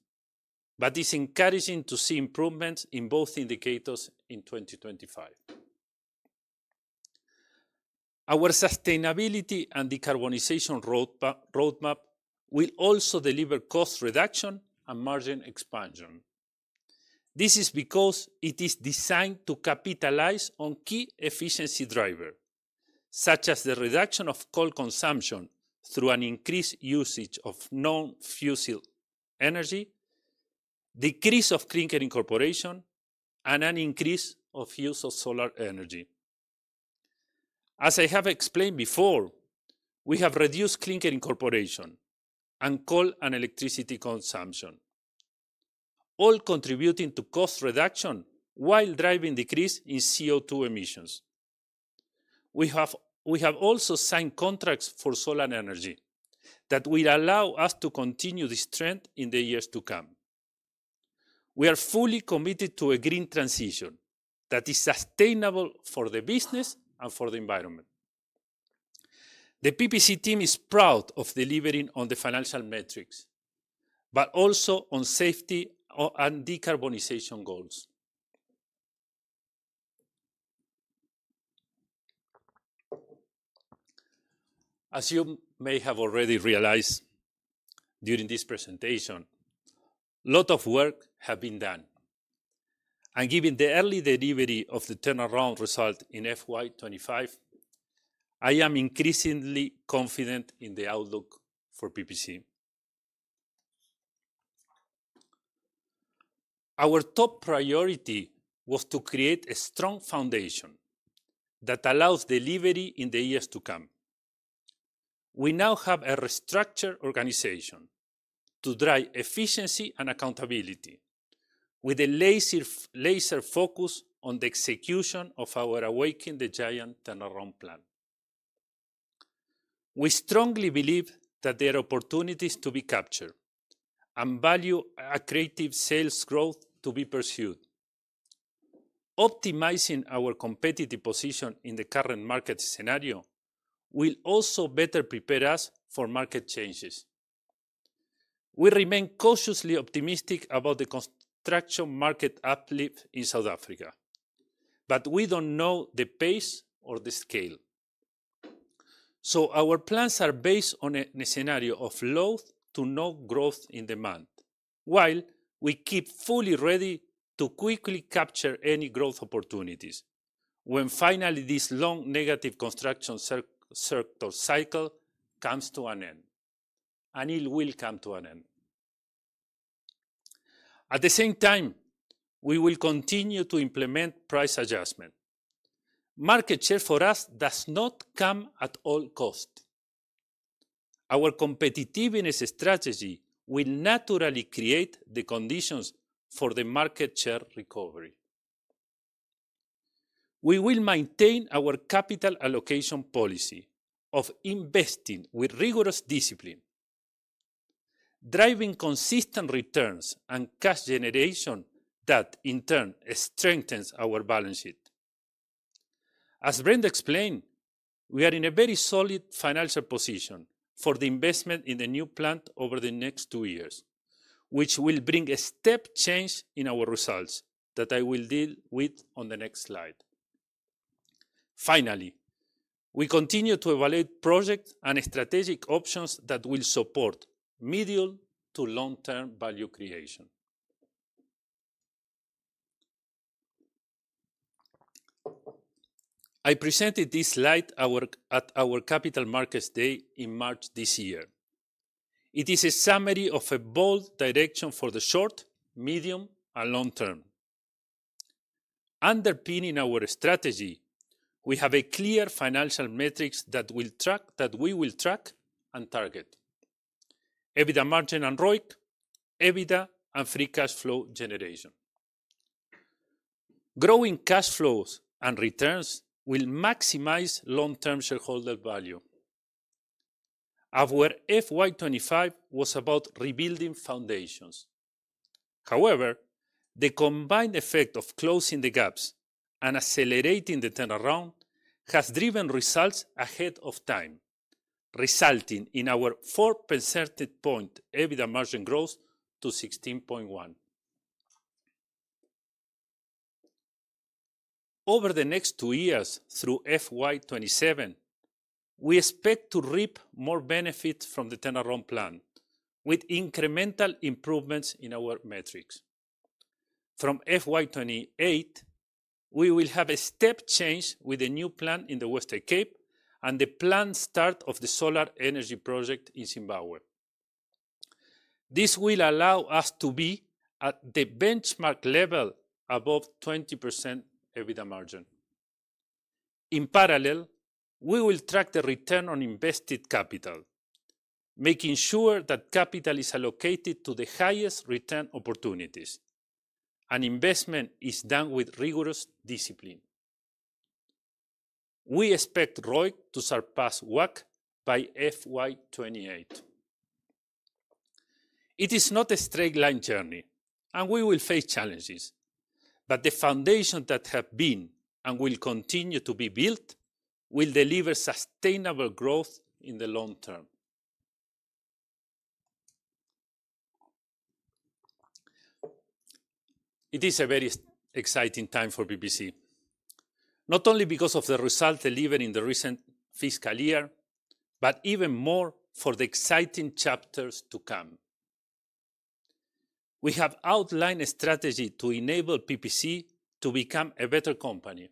but it's encouraging to see improvements in both indicators in 2025. Our sustainability and decarbonization roadmap will also deliver cost reduction and margin expansion. This is because it is designed to capitalize on key efficiency drivers, such as the reduction of coal consumption through an increased usage of non-fuel energy, decrease of clinker incorporation, and an increase of use of solar energy. As I have explained before, we have reduced clinker incorporation and coal and electricity consumption, all contributing to cost reduction while driving decrease in CO2 emissions. We have also signed contracts for solar energy that will allow us to continue this trend in the years to come. We are fully committed to a green transition that is sustainable for the business and for the environment. The PPC team is proud of delivering on the financial metrics, but also on safety and decarbonization goals. As you may have already realized during this presentation, a lot of work has been done. Given the early delivery of the turnaround result in FY25, I am increasingly confident in the outlook for PPC. Our top priority was to create a strong foundation that allows delivery in the years to come. We now have a restructured organization to drive efficiency and accountability, with a laser focus on the execution of our Awaken the Giant turnaround plan. We strongly believe that there are opportunities to be captured and value creative sales growth to be pursued. Optimizing our competitive position in the current market scenario will also better prepare us for market changes. We remain cautiously optimistic about the construction market uplift in South Africa, but we don't know the pace or the scale. Our plans are based on a scenario of low to no growth in demand, while we keep fully ready to quickly capture any growth opportunities when finally this long negative construction cycle comes to an end, and it will come to an end. At the same time, we will continue to implement price adjustment. Market share for us does not come at all cost. Our competitiveness strategy will naturally create the conditions for the market share recovery. We will maintain our capital allocation policy of investing with rigorous discipline, driving consistent returns and cash generation that, in turn, strengthens our balance sheet. As Brenda explained, we are in a very solid financial position for the investment in the new plant over the next two years, which will bring a step change in our results that I will deal with on the next slide. Finally, we continue to evaluate projects and strategic options that will support medium to long-term value creation. I presented this slide at our Capital Markets Day in March this year. It is a summary of a bold direction for the short, medium, and long term. Underpinning our strategy, we have clear financial metrics that we will track and target: EBITDA margin and ROIC, EBITDA and free cash flow generation. Growing cash flows and returns will maximize long-term shareholder value. Our FY2025 was about rebuilding foundations. However, the combined effect of closing the gaps and accelerating the turnaround has driven results ahead of time, resulting in our 4 percentage point EBITDA margin growth to 16.1%. Over the next two years through FY2027, we expect to reap more benefits from the turnaround plan with incremental improvements in our metrics. From FY2028, we will have a step change with the new plan in the Western Cape and the planned start of the solar energy project in Zimbabwe. This will allow us to be at the benchmark level above 20% EBITDA margin. In parallel, we will track the return on invested capital, making sure that capital is allocated to the highest return opportunities, and investment is done with rigorous discipline. We expect ROIC to surpass WACC by FY2028. It is not a straight line journey, and we will face challenges, but the foundations that have been and will continue to be built will deliver sustainable growth in the long term. It is a very exciting time for PPC, not only because of the results delivered in the recent fiscal year, but even more for the exciting chapters to come. We have outlined a strategy to enable PPC to become a better company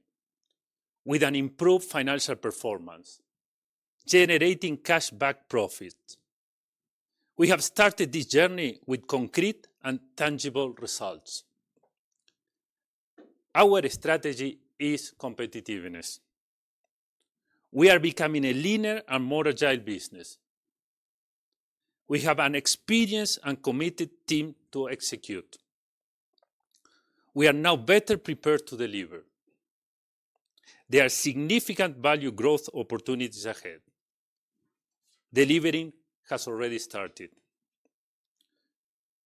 with an improved financial performance, generating cashback profits. We have started this journey with concrete and tangible results. Our strategy is competitiveness. We are becoming a leaner and more agile business. We have an experienced and committed team to execute. We are now better prepared to deliver. There are significant value growth opportunities ahead. Delivering has already started.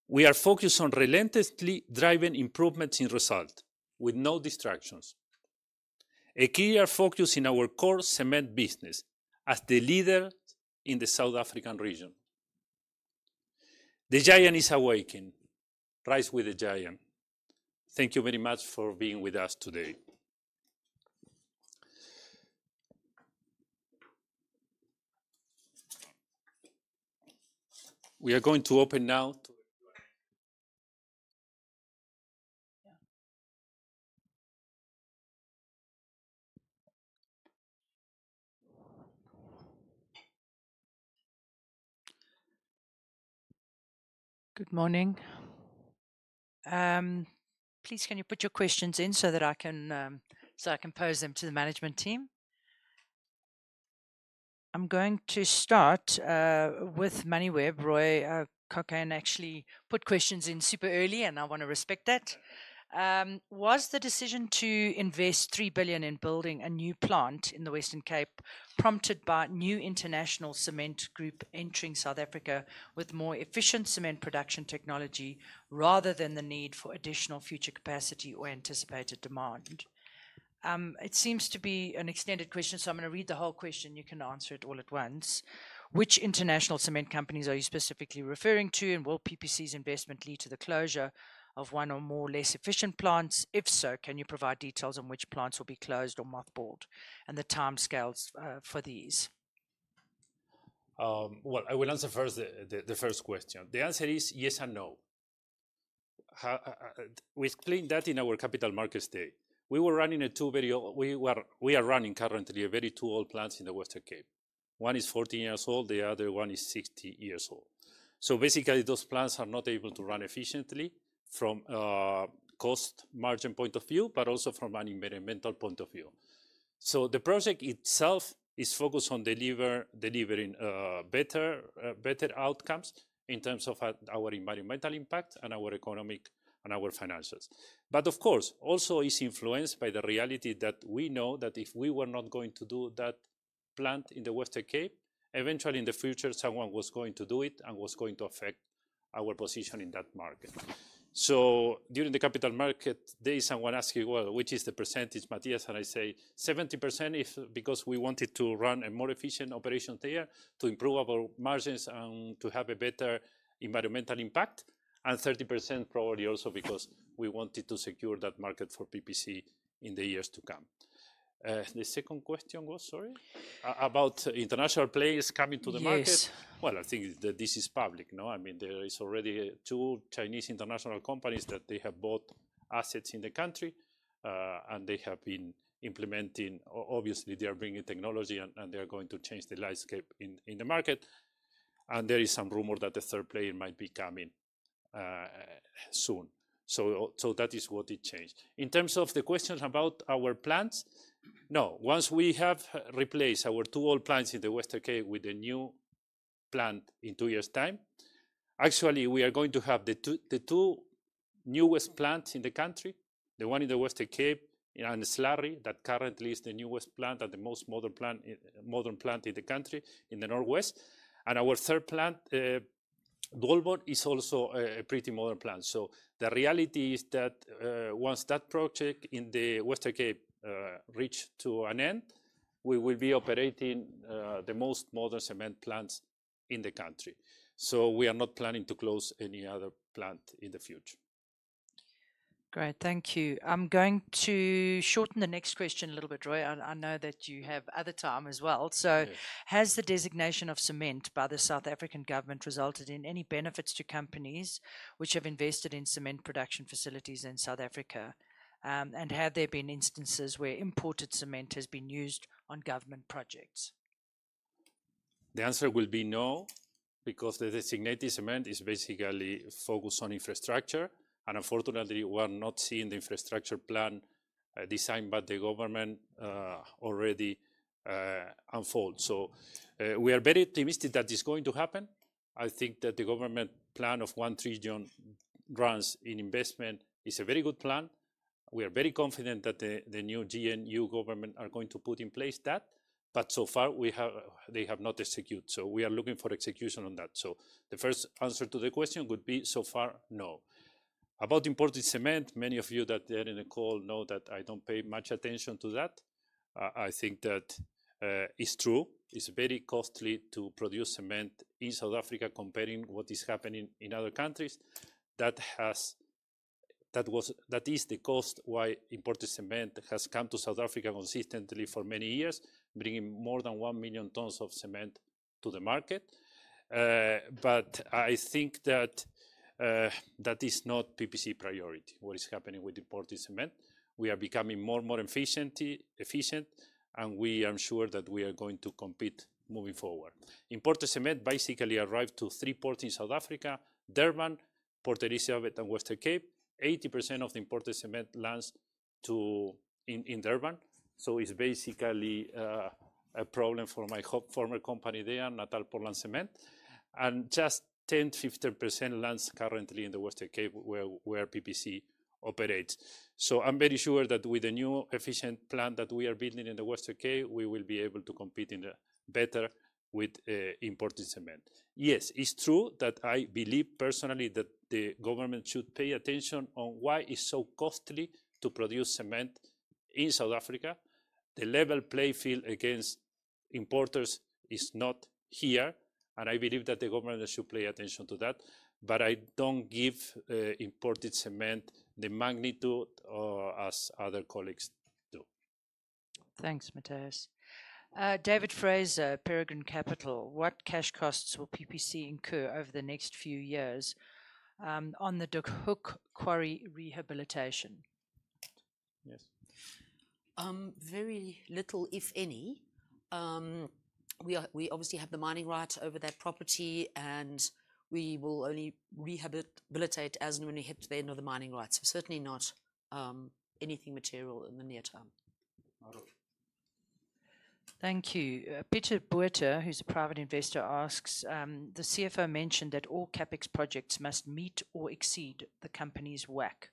We are focused on relentlessly driving improvements in result with no distractions. A clear focus in our core cement business as the leader in the South African region. The giant is awakened. Rise with the giant. Thank you very much for being with us today. We are going to open now to the Q&A. Good morning. Please, can you put your questions in so that I can pose them to the management team? I'm going to start with Mani Web. Roy Cockahen actually put questions in super early, and I want to respect that. Was the decision to invest 3 billion in building a new plant in the Western Cape prompted by a new international cement group entering South Africa with more efficient cement production technology rather than the need for additional future capacity or anticipated demand? It seems to be an extended question, so I'm going to read the whole question. You can answer it all at once. Which international cement companies are you specifically referring to, and will PPC's investment lead to the closure of one or more less efficient plants? If so, can you provide details on which plants will be closed or mothballed, and the time scales for these? I will answer first the first question. The answer is yes and no. We explained that in our Capital Markets Day. We were running a very old—we are running currently a very old plant in the Western Cape. One is 14 years old, the other one is 60 years old. Basically, those plants are not able to run efficiently from a cost margin point of view, but also from an environmental point of view. The project itself is focused on delivering better outcomes in terms of our environmental impact and our economic and our financials. Of course, also it's influenced by the reality that we know that if we were not going to do that plant in the Western Cape, eventually in the future, someone was going to do it and was going to affect our position in that market. During the Capital Markets Day, someone asked me, "Which is the percentage, Matthias?" and I say, "70%," because we wanted to run a more efficient operation there to improve our margins and to have a better environmental impact, and 30% probably also because we wanted to secure that market for PPC in the years to come. The second question was, sorry? About international players coming to the market? I think that this is public, no? I mean, there are already two Chinese international companies that have bought assets in the country, and they have been implementing—obviously, they are bringing technology and they are going to change the landscape in the market. There is some rumor that a third player might be coming soon. That is what it changed. In terms of the questions about our plants, no. Once we have replaced our two old plants in the Western Cape with a new plant in two years' time, actually, we are going to have the two newest plants in the country, the one in the Western Cape in Slurry, that currently is the newest plant and the most modern plant in the country in the North West. And our third plant, Dwaalboom, is also a pretty modern plant. The reality is that once that project in the Western Cape reaches to an end, we will be operating the most modern cement plants in the country. We are not planning to close any other plant in the future. Great. Thank you. I'm going to shorten the next question a little bit, Roy. I know that you have other time as well. Has the designation of cement by the South African government resulted in any benefits to companies which have invested in cement production facilities in South Africa? Have there been instances where imported cement has been used on government projects? The answer will be no because the designated cement is basically focused on infrastructure. Unfortunately, we are not seeing the infrastructure plan designed by the government already unfold. We are very optimistic that it is going to happen. I think that the government plan of one region grants in investment is a very good plan. We are very confident that the new GNU government are going to put in place that. So far, they have not executed. We are looking for execution on that. The first answer to the question would be, so far, no. About imported cement, many of you that are in the call know that I do not pay much attention to that. I think that it is true. It is very costly to produce cement in South Africa comparing what is happening in other countries. That is the cost why imported cement has come to South Africa consistently for many years, bringing more than 1 million tons of cement to the market. I think that that is not PPC priority, what is happening with imported cement. We are becoming more and more efficient, and we are sure that we are going to compete moving forward. Imported cement basically arrived to three ports in South Africa: Durban, Port Elizabeth, and Western Cape. 80% of the imported cement lands in Durban. It is basically a problem for my former company there, Natal Portland Cement. Just 10%-15% lands currently in the Western Cape where PPC operates. I am very sure that with the new efficient plant that we are building in the Western Cape, we will be able to compete better with imported cement. Yes, it is true that I believe personally that the government should pay attention to why it is so costly to produce cement in South Africa. The level play field against importers is not here, and I believe that the government should pay attention to that. I do not give imported cement the magnitude as other colleagues do. Thanks, Matthias. David Fraser, Peregrine Capital. What cash costs will PPC incur over the next few years on De Hoek quarry rehabilitation? Yes. Very little, if any. We obviously have the mining rights over that property, and we will only rehabilitate as and when we hit the end of the mining rights. Certainly not anything material in the near term. Thank you. Peter Bueta, who's a private investor, asks, "The CFO mentioned that all CapEx projects must meet or exceed the company's WACC.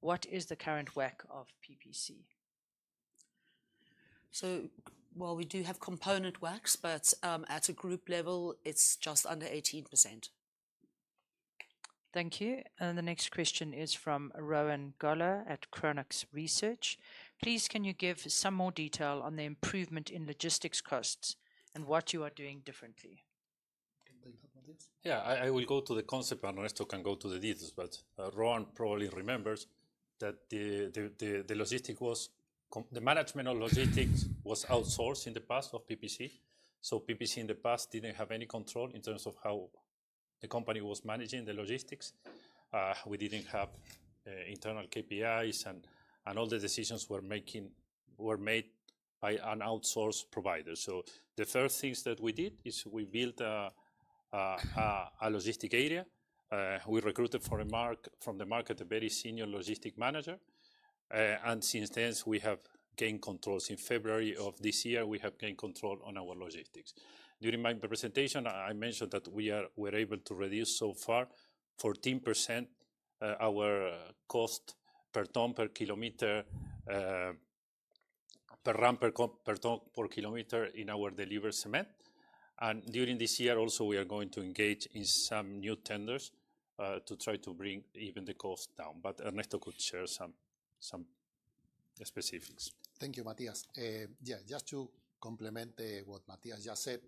What is the current WACC of PPC?" While we do have component WACCs, at a group level, it's just under 18%. Thank you. The next question is from Rowan Goeller at Chronux Research. Please, can you give some more detail on the improvement in logistics costs and what you are doing differently? Yeah, I will go to the concept and Ernesto can go to the details, but Rowan probably remembers that the management of logistics was outsourced in the past at PPC. PPC in the past did not have any control in terms of how the company was managing the logistics. We did not have internal KPIs, and all the decisions were made by an outsourced provider. The first things that we did is we built a logistics area. We recruited from the market a very senior logistics manager. Since then, we have gained control. Since February of this year, we have gained control on our logistics. During my presentation, I mentioned that we were able to reduce so far 14% our cost per ton per kilometer, per ramp, per ton per kilometer in our delivered cement. During this year also, we are going to engage in some new tenders to try to bring even the cost down. Ernesto could share some specifics. Thank you, Matthias. Yeah, just to complement what Matthias just said,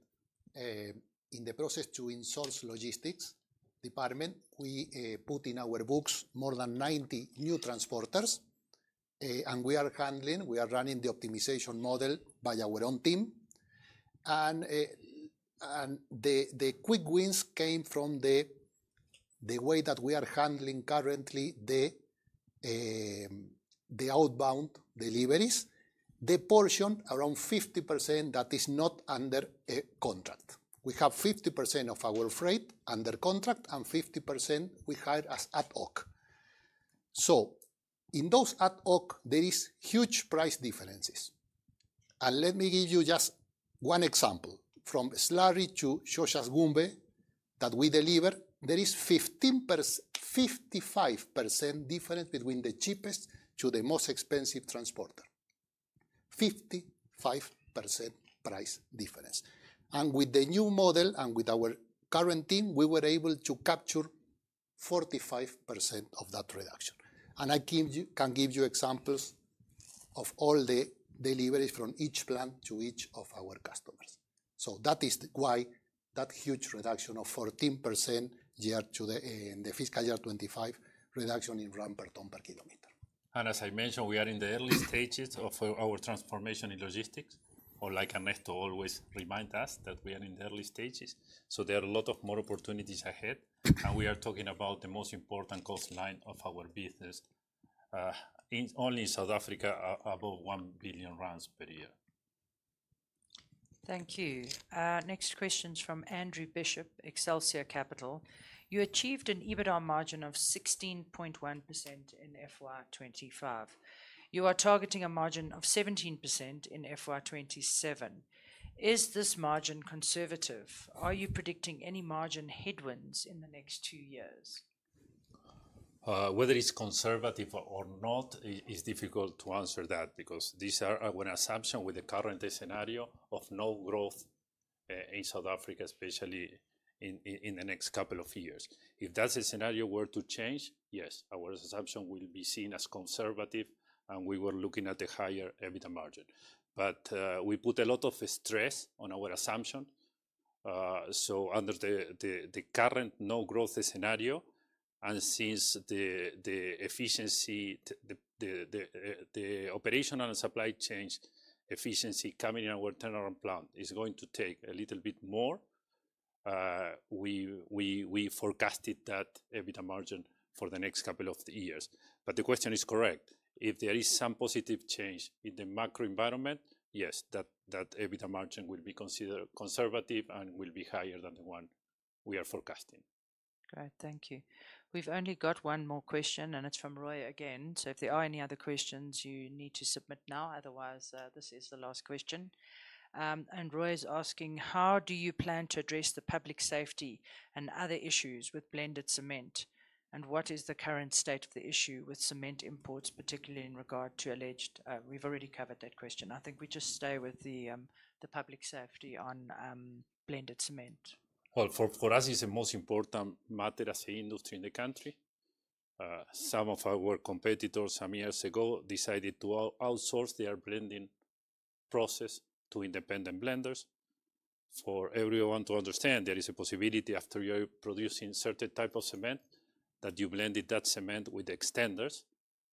in the process to insource logistics department, we put in our books more than 90 new transporters, and we are handling, we are running the optimization model by our own team. The quick wins came from the way that we are handling currently the outbound deliveries, the portion around 50% that is not under a contract. We have 50% of our freight under contract and 50% we hire as ad hoc. In those ad hoc, there are huge price differences. Let me give you just one example. From Slurry to Xochas Gumbe, that we deliver, there is 55% difference between the cheapest to the most expensive transporter. 55% price difference. With the new model and with our current team, we were able to capture 45% of that reduction. I can give you examples of all the deliveries from each plant to each of our customers. That is why that huge reduction of 14% year to the fiscal year 2025 reduction in rand per ton per kilometer. As I mentioned, we are in the early stages of our transformation in logistics, or like Ernesto always reminds us, we are in the early stages. There are a lot more opportunities ahead, and we are talking about the most important cost line of our business. Only in South Africa, above 1 billion rand per year. Thank you. Next question is from Andrew Bishop, Excelsior Capital. You achieved an EBITDA margin of 16.1% in FY2025. You are targeting a margin of 17% in FY2027. Is this margin conservative? Are you predicting any margin headwinds in the next two years? Whether it's conservative or not is difficult to answer because these are an assumption with the current scenario of no growth in South Africa, especially in the next couple of years. If that scenario were to change, yes, our assumption will be seen as conservative, and we were looking at the higher EBITDA margin. We put a lot of stress on our assumption. Under the current no growth scenario, and since the operational and supply chain efficiency coming in our turnaround plan is going to take a little bit more, we forecasted that EBITDA margin for the next couple of years. The question is correct. If there is some positive change in the macro environment, yes, that EBITDA margin will be considered conservative and will be higher than the one we are forecasting. Great. Thank you. We've only got one more question, and it's from Roy again. If there are any other questions, you need to submit now. Otherwise, this is the last question. Roy is asking, "How do you plan to address the public safety and other issues with blended cement? And what is the current state of the issue with cement imports, particularly in regard to alleged—" We've already covered that question. I think we just stay with the public safety on blended cement. For us, it's the most important matter as an industry in the country. Some of our competitors some years ago decided to outsource their blending process to independent blenders. For everyone to understand, there is a possibility after you're producing certain types of cement that you blended that cement with extenders.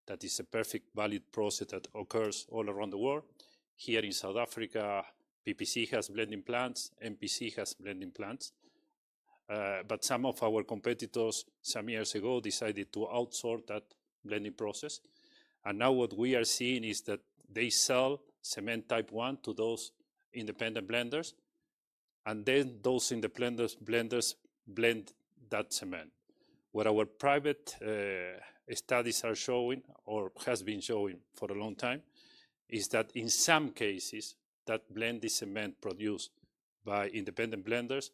That is a perfectly valid process that occurs all around the world. Here in South Africa, PPC has blending plants. MPC has blending plants. Some of our competitors some years ago decided to outsource that blending process. Now what we are seeing is that they sell cement type one to those independent blenders, and then those blenders blend that cement. What our private studies are showing, or has been showing for a long time, is that in some cases, that blended cement produced by independent blenders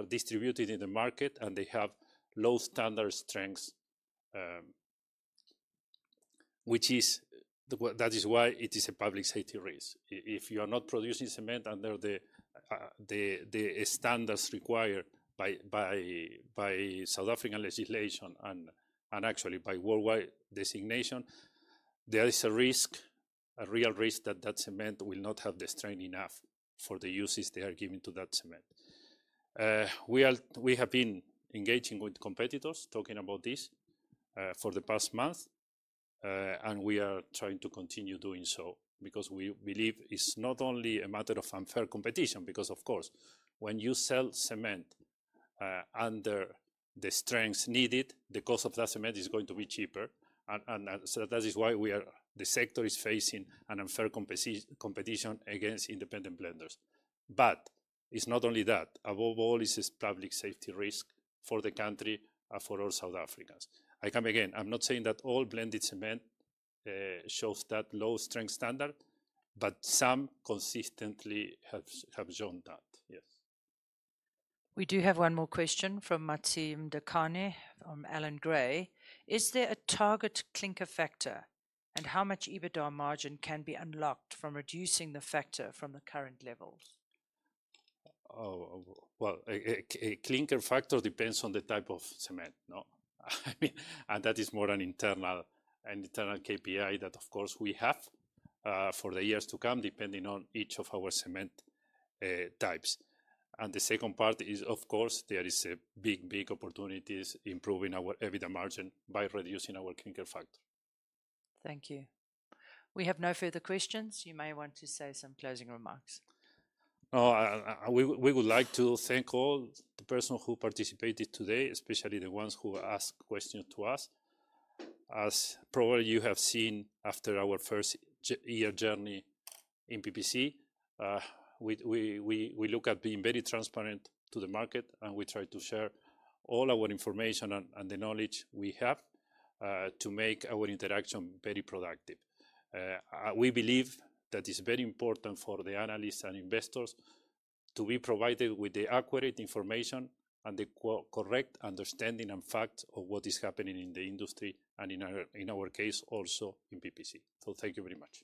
is distributed in the market, and they have low standard strengths, which is why it is a public safety risk. If you are not producing cement under the standards required by South African legislation and actually by worldwide designation, there is a risk, a real risk that that cement will not have the strength enough for the uses they are giving to that cement. We have been engaging with competitors talking about this for the past month, and we are trying to continue doing so because we believe it's not only a matter of unfair competition because, of course, when you sell cement under the strengths needed, the cost of that cement is going to be cheaper. That is why the sector is facing an unfair competition against independent blenders. It is not only that. Above all, it is a public safety risk for the country and for all South Africans. I come again, I'm not saying that all blended cement shows that low strength standard, but some consistently have shown that, yes. We do have one more question from Mateem Dekani from Alan Gray. Is there a target clinker factor, and how much EBITDA margin can be unlocked from reducing the factor from the current levels? A clinker factor depends on the type of cement, no? That is more an internal KPI that, of course, we have for the years to come, depending on each of our cement types. The second part is, of course, there are big, big opportunities in improving our EBITDA margin by reducing our clinker factor. Thank you. We have no further questions. You may want to say some closing remarks. We would like to thank all the persons who participated today, especially the ones who asked questions to us. As probably you have seen after our first year journey in PPC, we look at being very transparent to the market, and we try to share all our information and the knowledge we have to make our interaction very productive. We believe that it's very important for the analysts and investors to be provided with the accurate information and the correct understanding and fact of what is happening in the industry and in our case, also in PPC. Thank you very much.